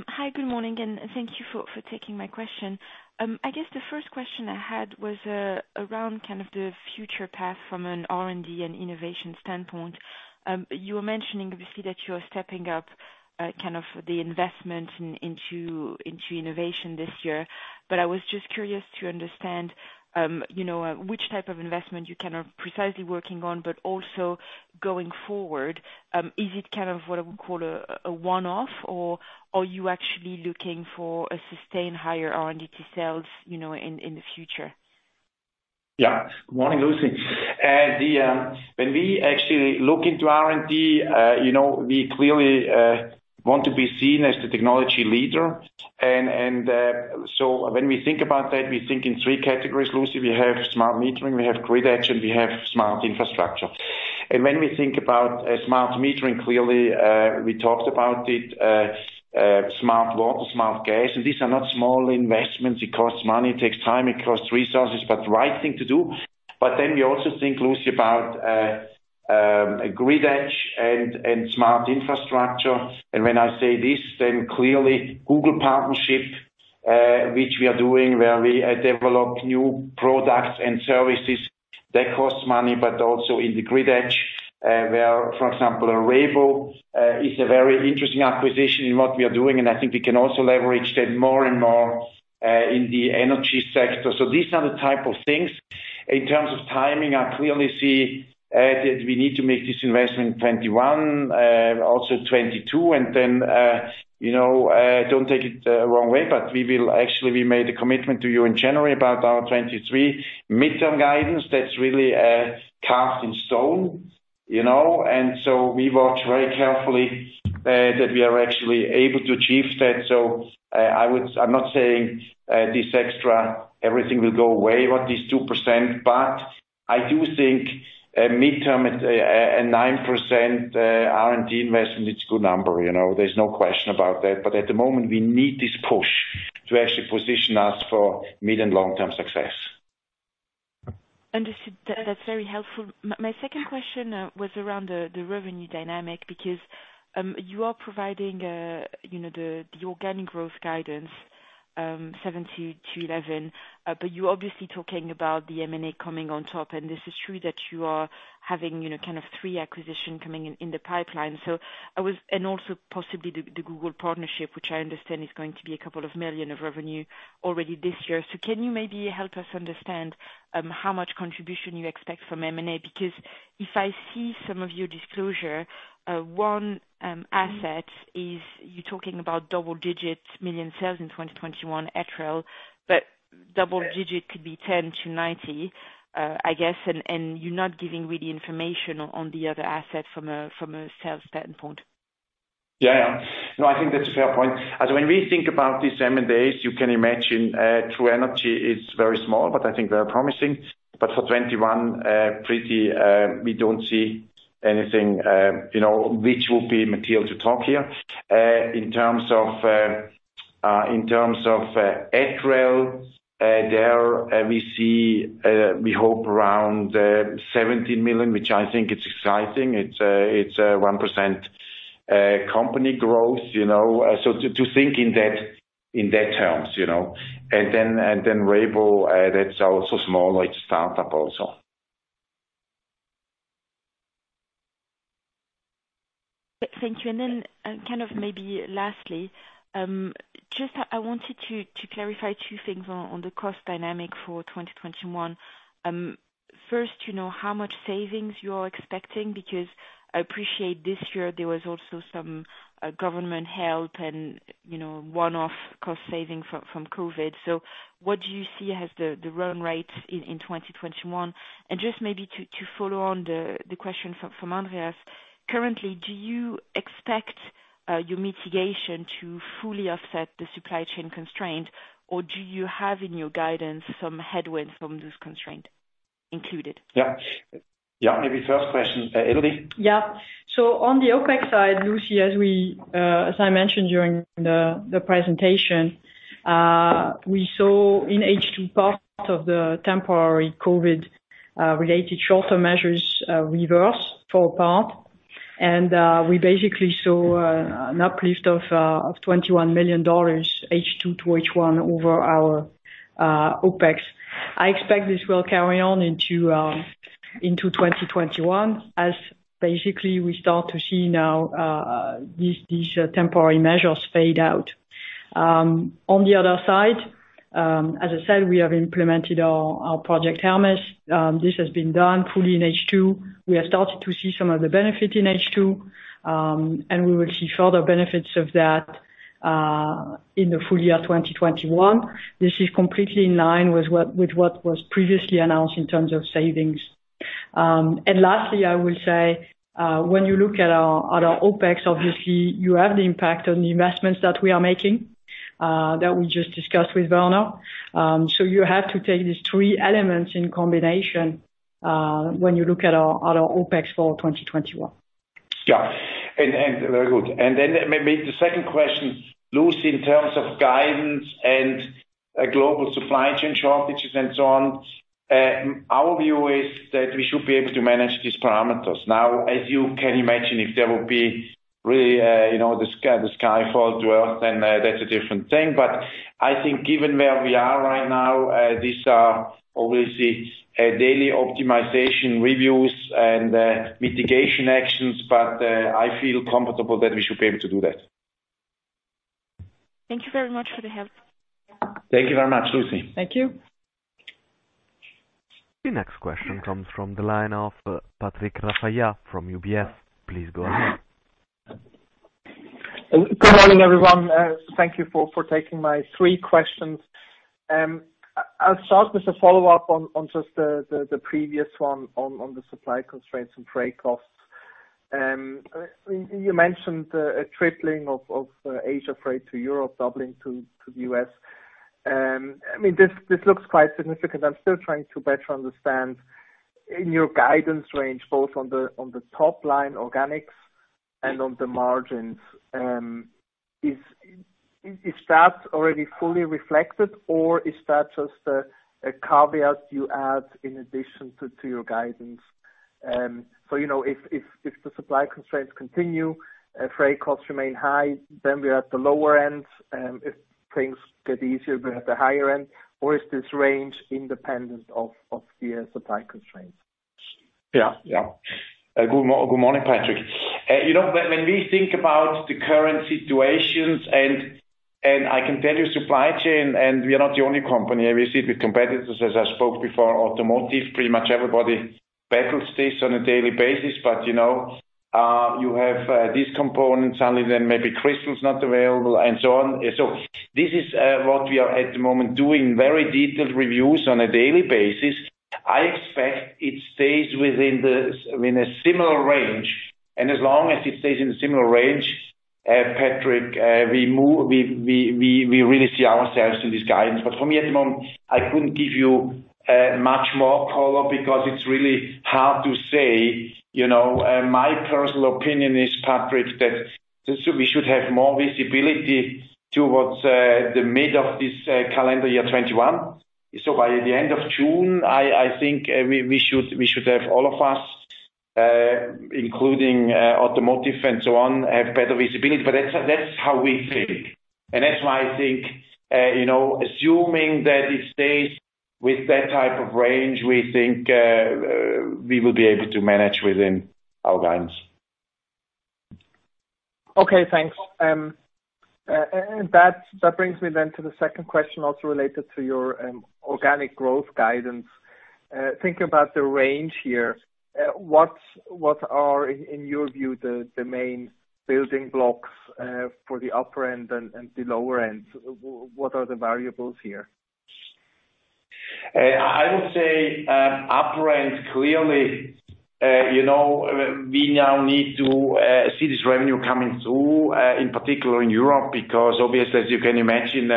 Hi, good morning, and thank you for taking my question. I guess the first question I had was around kind of the future path from an R&D and innovation standpoint. You were mentioning, obviously, that you are stepping up kind of the investment into innovation this year. I was just curious to understand which type of investment your kind of precisely working on, but also going forward, is it kind of what I would call a one-off, or are you actually looking for a sustained higher R&D to sales in the future? Good morning, Lucie. When we actually look into R&D, we clearly want to be seen as the technology leader. When we think about that, we think in three categories, Lucie. We have smart metering, we have grid edge, and we have smart infrastructure. When we think about smart metering, clearly, we talked about it, smart water, smart gas. These are not small investments. It costs money, it takes time, it costs resources, but the right thing to do. We also think, Lucie, about grid edge and smart infrastructure. When I say this, then clearly Google partnership, which we are doing, where we develop new products and services that cost money, but also in the grid edge, where, for example, Rhebo is a very interesting acquisition in what we are doing, and I think we can also leverage that more and more in the energy sector. In terms of timing, I clearly see that we need to make this investment 2021, also 2022. Don't take it the wrong way, but actually, we made a commitment to you in January about our 2023 midterm guidance. That's really carved in stone. We watch very carefully that we are actually able to achieve that. I'm not saying this extra, everything will go away, what is 2%, but I do think a midterm at a 9% R&D investment, it's a good number. There's no question about that. At the moment, we need this push to actually position us for mid- and long-term success. Understood. That's very helpful. My second question was around the revenue dynamic, you are providing the organic growth guidance, 7% to 11%. You're obviously talking about the M&A coming on top, and this is true that you are having three acquisitions coming in the pipeline. Also, possibly the Google partnership, which I understand is going to be a couple of million of revenue already this year. Can you maybe help us understand how much contribution you expect from M&A? If I see some of your disclosure, one asset is you're talking about double-digit million sales in 2021, Etrel, but double double-digit could be 10 million-90 million, I guess, and you're not giving really information on the other asset from a sales standpoint. Yeah. No, I think that's a fair point. As when we think about these M&As, you can imagine True Energy is very small, but I think very promising. For 2021, we don't see anything which will be material to talk here. In terms of Etrel, there we see, we hope around 70 million, which I think it's exciting. It's 1% company growth. To think in that terms. Then Rhebo, that's also small, it's a startup also. Thank you. Then, maybe lastly, just I wanted to clarify two things on the cost dynamic for 2021. First, how much savings you are expecting, because I appreciate this year there was also some government help and one-off cost saving from COVID. What do you see as the run rate in 2021? Just maybe to follow on the question from Andreas, currently, do you expect your mitigation to fully offset the supply chain constraint, or do you have in your guidance some headwinds from this constraint included? Yeah. Maybe first question, Elodie? On the OpEx side, Lucie, as I mentioned during the presentation, we saw in H2 part of the temporary COVID-related shorter measures reverse for a part, and we basically saw an uplift of $21 million H2-H1 over our OpEx. I expect this will carry on into 2021 as basically we start to see now these temporary measures fade out. On the other side, as I said, we have implemented our Project Hermes. This has been done fully in H2. We have started to see some of the benefit in H2, and we will see further benefits of that in the full year 2021. This is completely in line with what was previously announced in terms of savings. Lastly, I will say, when you look at our other OpEx, obviously you have the impact on the investments that we are making, that we just discussed with Werner. You have to take these three elements in combination when you look at our other OpEx for 2021. Yeah. Very good. Then maybe the second question, Lucie, in terms of guidance and global supply chain shortages and so on, our view is that we should be able to manage these parameters. Now, as you can imagine, if there will be really the sky falls to earth, then that's a different thing. I think given where we are right now, these are obviously daily optimization reviews and mitigation actions, but I feel comfortable that we should be able to do that. Thank you very much for the help. Thank you very much, Lucie. Thank you. The next question comes from the line of Patrick Rafaisz from UBS. Please go ahead. Good morning, everyone. Thank you for taking my three questions. I'll start with a follow-up on just the previous one on the supply constraints and freight costs. You mentioned a tripling of Asia freight to Europe, doubling to the U.S. This looks quite significant. I'm still trying to better understand in your guidance range, both on the top line organics and on the margins. Is that already fully reflected or is that just a caveat you add in addition to your guidance? If the supply constraints continue, freight costs remain high, then we're at the lower end. If things get easier, we're at the higher end. Is this range independent of the supply constraints? Yeah. Good morning, Patrick. When we think about the current situations, I can tell you supply chain, we are not the only company. We see it with competitors, as I spoke before, automotive. Pretty much everybody battles this on a daily basis. You have these components, suddenly then maybe crystal's not available, so on. This is what we are, at the moment, doing very detailed reviews on a daily basis. I expect it stays within a similar range. As long as it stays in a similar range, Patrick, we really see ourselves in this guidance. For me, at the moment, I couldn't give you much more color because it's really hard to say. My personal opinion is, Patrick, that we should have more visibility towards the mid of this calendar year 2021. By the end of June, I think we should have all of us, including automotive and so on, have better visibility. That's how we think. That's why I think, assuming that it stays with that type of range, we think we will be able to manage within our guidance. Okay, thanks. That brings me then to the second question also related to your organic growth guidance. Thinking about the range here, what are, in your view, the main building blocks for the upper end and the lower end? What are the variables here? I would say upper end, clearly, we now need to see this revenue coming through, in particular in Europe, because obviously, as you can imagine,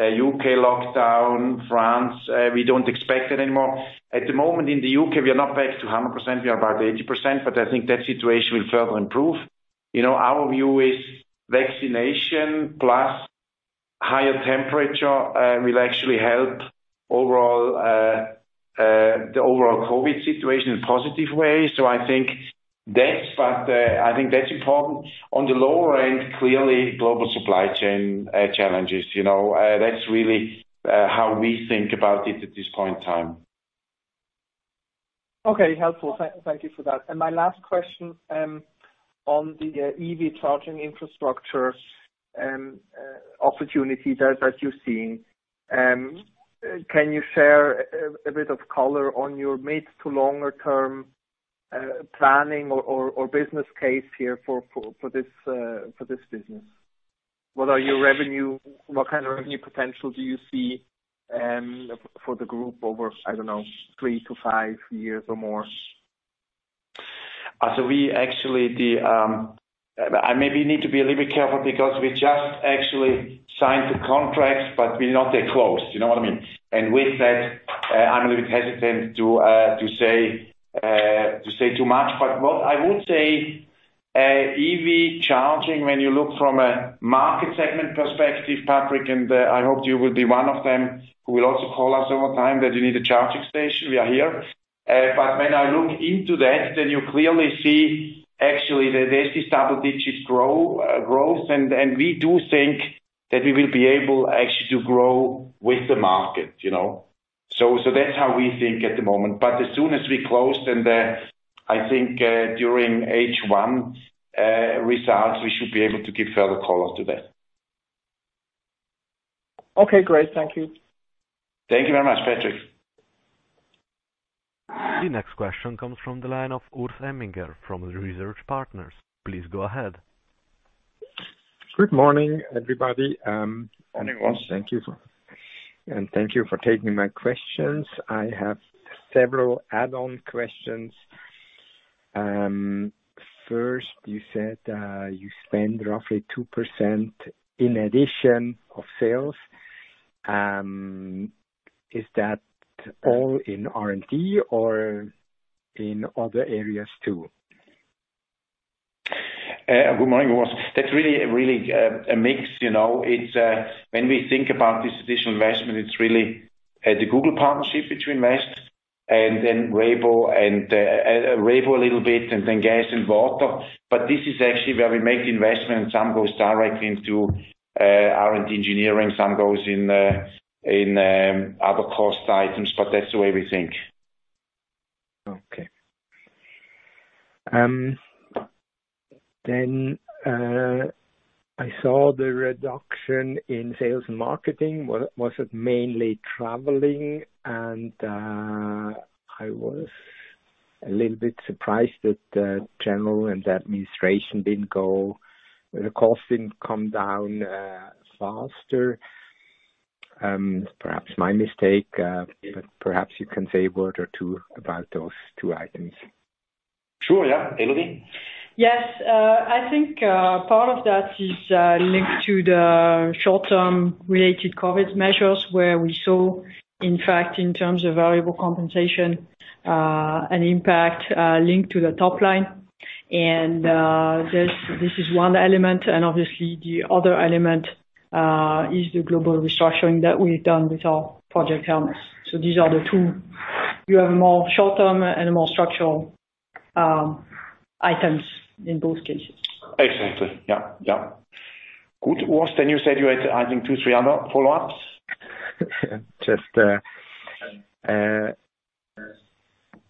U.K. lockdown, France, we don't expect it anymore. At the moment in the U.K., we are not back to 100%, we are about 80%. I think that situation will further improve. Our view is vaccination plus higher temperatures will actually help the overall COVID situation in a positive way. I think that's important. On the lower end, clearly, global supply chain challenges. That's really how we think about it at this point in time. Okay. Helpful. Thank you for that. My last question on the EV charging infrastructure opportunity that you're seeing. Can you share a bit of color on your mid to longer-term planning or business case here for this business? What kind of revenue potential do you see for the group over, I don't know, three to five years or more? I maybe need to be a little bit careful because we just actually signed the contracts, but we're not that close. You know what I mean? With that, I'm a little bit hesitant to say too much. What I would say, EV charging, when you look from a market segment perspective, Patrick, and I hope you will be one of them who will also call us over time that you need a charging station, we are here. When I look into that, then you clearly see actually that there's this double digits growth. We do think that we will be able actually to grow with the market. That's how we think at the moment. As soon as we close, then I think during H1 results, we should be able to give further color to that. Okay, great. Thank you. Thank you very much, Patrick. The next question comes from the line of Urs Emminger from Research Partners. Please go ahead. Good morning, everybody. Morning, Urs. Thank you. Thank you for taking my questions. I have several add-on questions. First, you said you spend roughly 2% in addition of sales. Is that all in R&D or in other areas, too? Good morning, Urs. That's really a mix. When we think about this additional investment, it's really the Google partnership between MAST and then Rhebo a little bit and then gas and water. This is actually where we make the investment and some goes directly into R&D engineering, some goes in other cost items, but that's the way we think. Okay. I saw the reduction in sales and marketing. Was it mainly traveling? I was a little bit surprised that general and administration the cost didn't come down faster. Perhaps my mistake, but perhaps you can say a word or two about those two items. Sure, yeah. Elodie? Yes. I think part of that is linked to the short-term related COVID measures where we saw, in fact, in terms of variable compensation, an impact linked to the top line. This is one element, and obviously the other element is the global restructuring that we've done with our Project Hermes. These are the two. You have more short-term and more structural items in both cases. Excellent. Yeah. Good. Urs, you said you had, I think, two, three other follow-ups. Just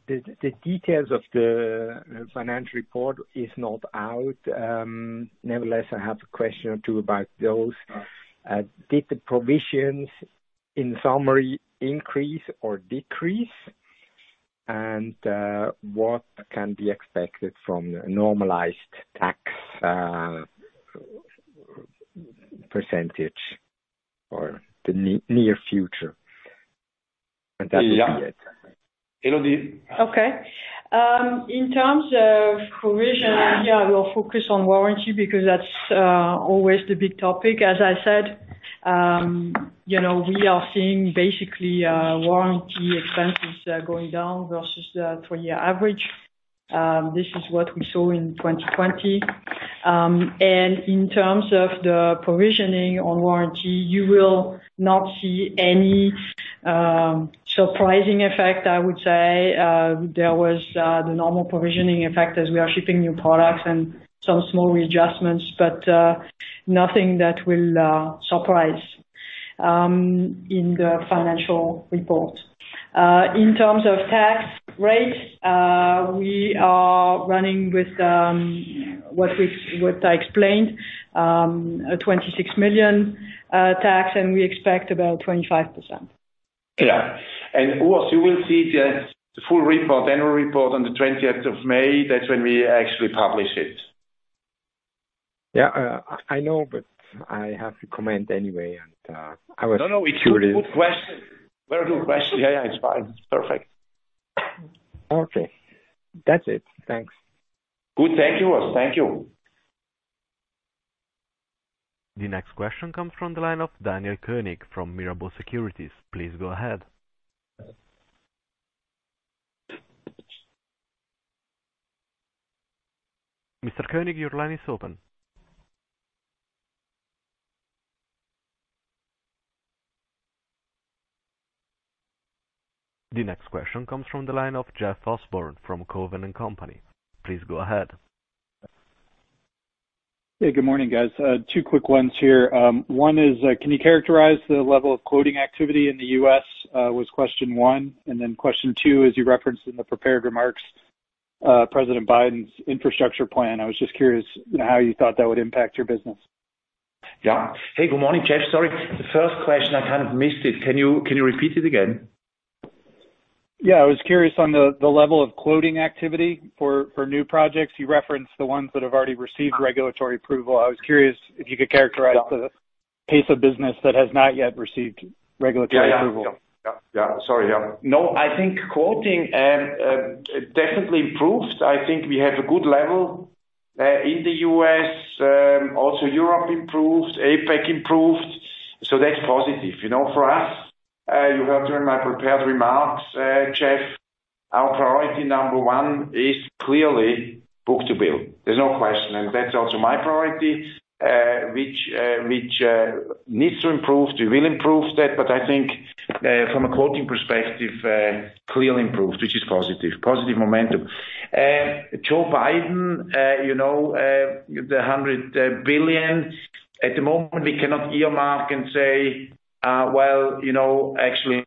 the details of the financial report is not out. Nevertheless, I have a question or two about those. Sure. Did the provisions, in summary, increase or decrease? What can be expected from the normalized tax percentage for the near future? That will be it. Yeah. Elodie? Okay. In terms of provision, we'll focus on warranty because that's always the big topic. As I said, we are seeing basically warranty expenses going down versus the three-year average. This is what we saw in 2020. In terms of the provisioning on warranty, you will not see any surprising effect, I would say. There was the normal provisioning effect as we are shipping new products and some small readjustments, nothing that will surprise in the financial report. In terms of tax rates, we are running with what I explained, a 26 million tax, we expect about 25%. Yeah. Urs, you will see the full report, annual report on the 20th of May. That's when we actually publish it. Yeah. I know, but I have to comment anyway, and I was curious. No, it's a good question. Very good question. Yeah, it's fine. It's perfect. Okay. That's it. Thanks. Good. Thank you, Urs. Thank you. The next question comes from the line of Daniel Koenig from Mirabaud Securities. Please go ahead. Mr. Koenig your line is open. The next question comes from the line of Jeff Osborne from Cowen and Company. Hey, good morning, guys. Two quick ones here. One is, can you characterize the level of quoting activity in the U.S., was question one. Question two, as you referenced in the prepared remarks, President Biden's infrastructure plan, I was just curious how you thought that would impact your business. Yeah. Hey, good morning, Jeff. Sorry. The first question, I kind of missed it. Can you repeat it again? Yeah. I was curious on the level of quoting activity for new projects. You referenced the ones that have already received regulatory approval. I was curious if you could characterize the pace of business that has not yet received regulatory approval. No, I think quoting definitely improved. I think we have a good level, in the U.S., also Europe improved, APAC improved. That's positive. For us, you heard during my prepared remarks, Jeff, our priority number one is clearly book-to-bill. There's no question. That's also my priority, which needs to improve. We will improve that. I think, from a quoting perspective, clearly improved, which is positive. Positive momentum. Joe Biden, the $100 billion. At the moment, we cannot earmark and say, "Well, actually,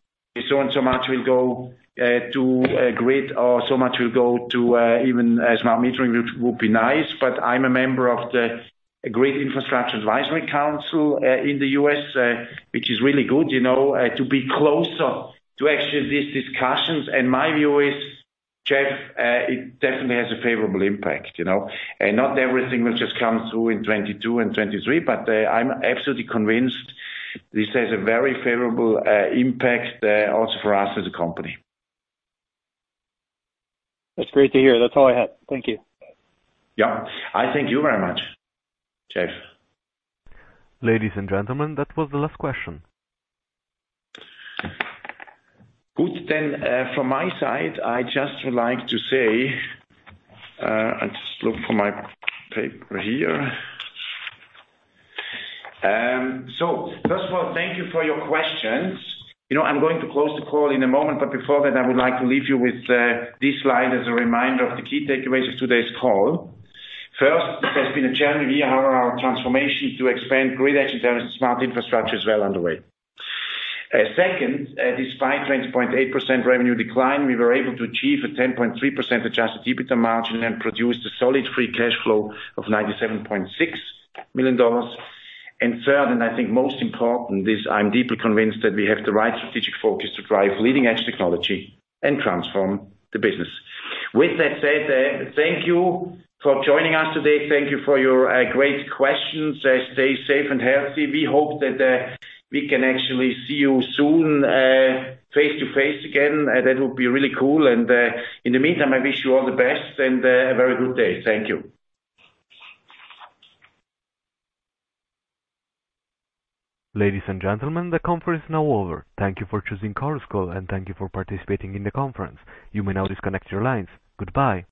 so and so much will go to grid, or so much will go to even smart metering," which would be nice. I'm a member of the Grid Infrastructure Advisory Council in the U.S., which is really good to be closer to actually these discussions. My view is, Jeff, it definitely has a favorable impact. Not everything will just come through in 2022 and 2023, but I'm absolutely convinced this has a very favorable impact also for us as a company. That's great to hear. That's all I had. Thank you. Yeah. I thank you very much, Jeff. Ladies and gentlemen, that was the last question. Good. From my side, I'll just look for my paper here. First of all, thank you for your questions. I'm going to close the call in a moment, but before that, I would like to leave you with this slide as a reminder of the key takeaways of today's call. First, it has been a challenging year, however, our transformation to expand Grid Edge and smart infrastructure is well underway. Second, despite 20.8% revenue decline, we were able to achieve a 10.3% adjusted EBITDA margin and produce a solid free cash flow of $97.6 million. Third, and I think most important is I'm deeply convinced that we have the right strategic focus to drive leading-edge technology and transform the business. With that said, thank you for joining us today. Thank you for your great questions. Stay safe and healthy. We hope that we can actually see you soon, face-to-face again. That would be really cool. In the meantime, I wish you all the best and a very good day. Thank you. Ladies and gentlemen, the conference is now over. Thank you for choosing Chorus Call, and thank you for participating in the conference. You may now disconnect your lines. Goodbye.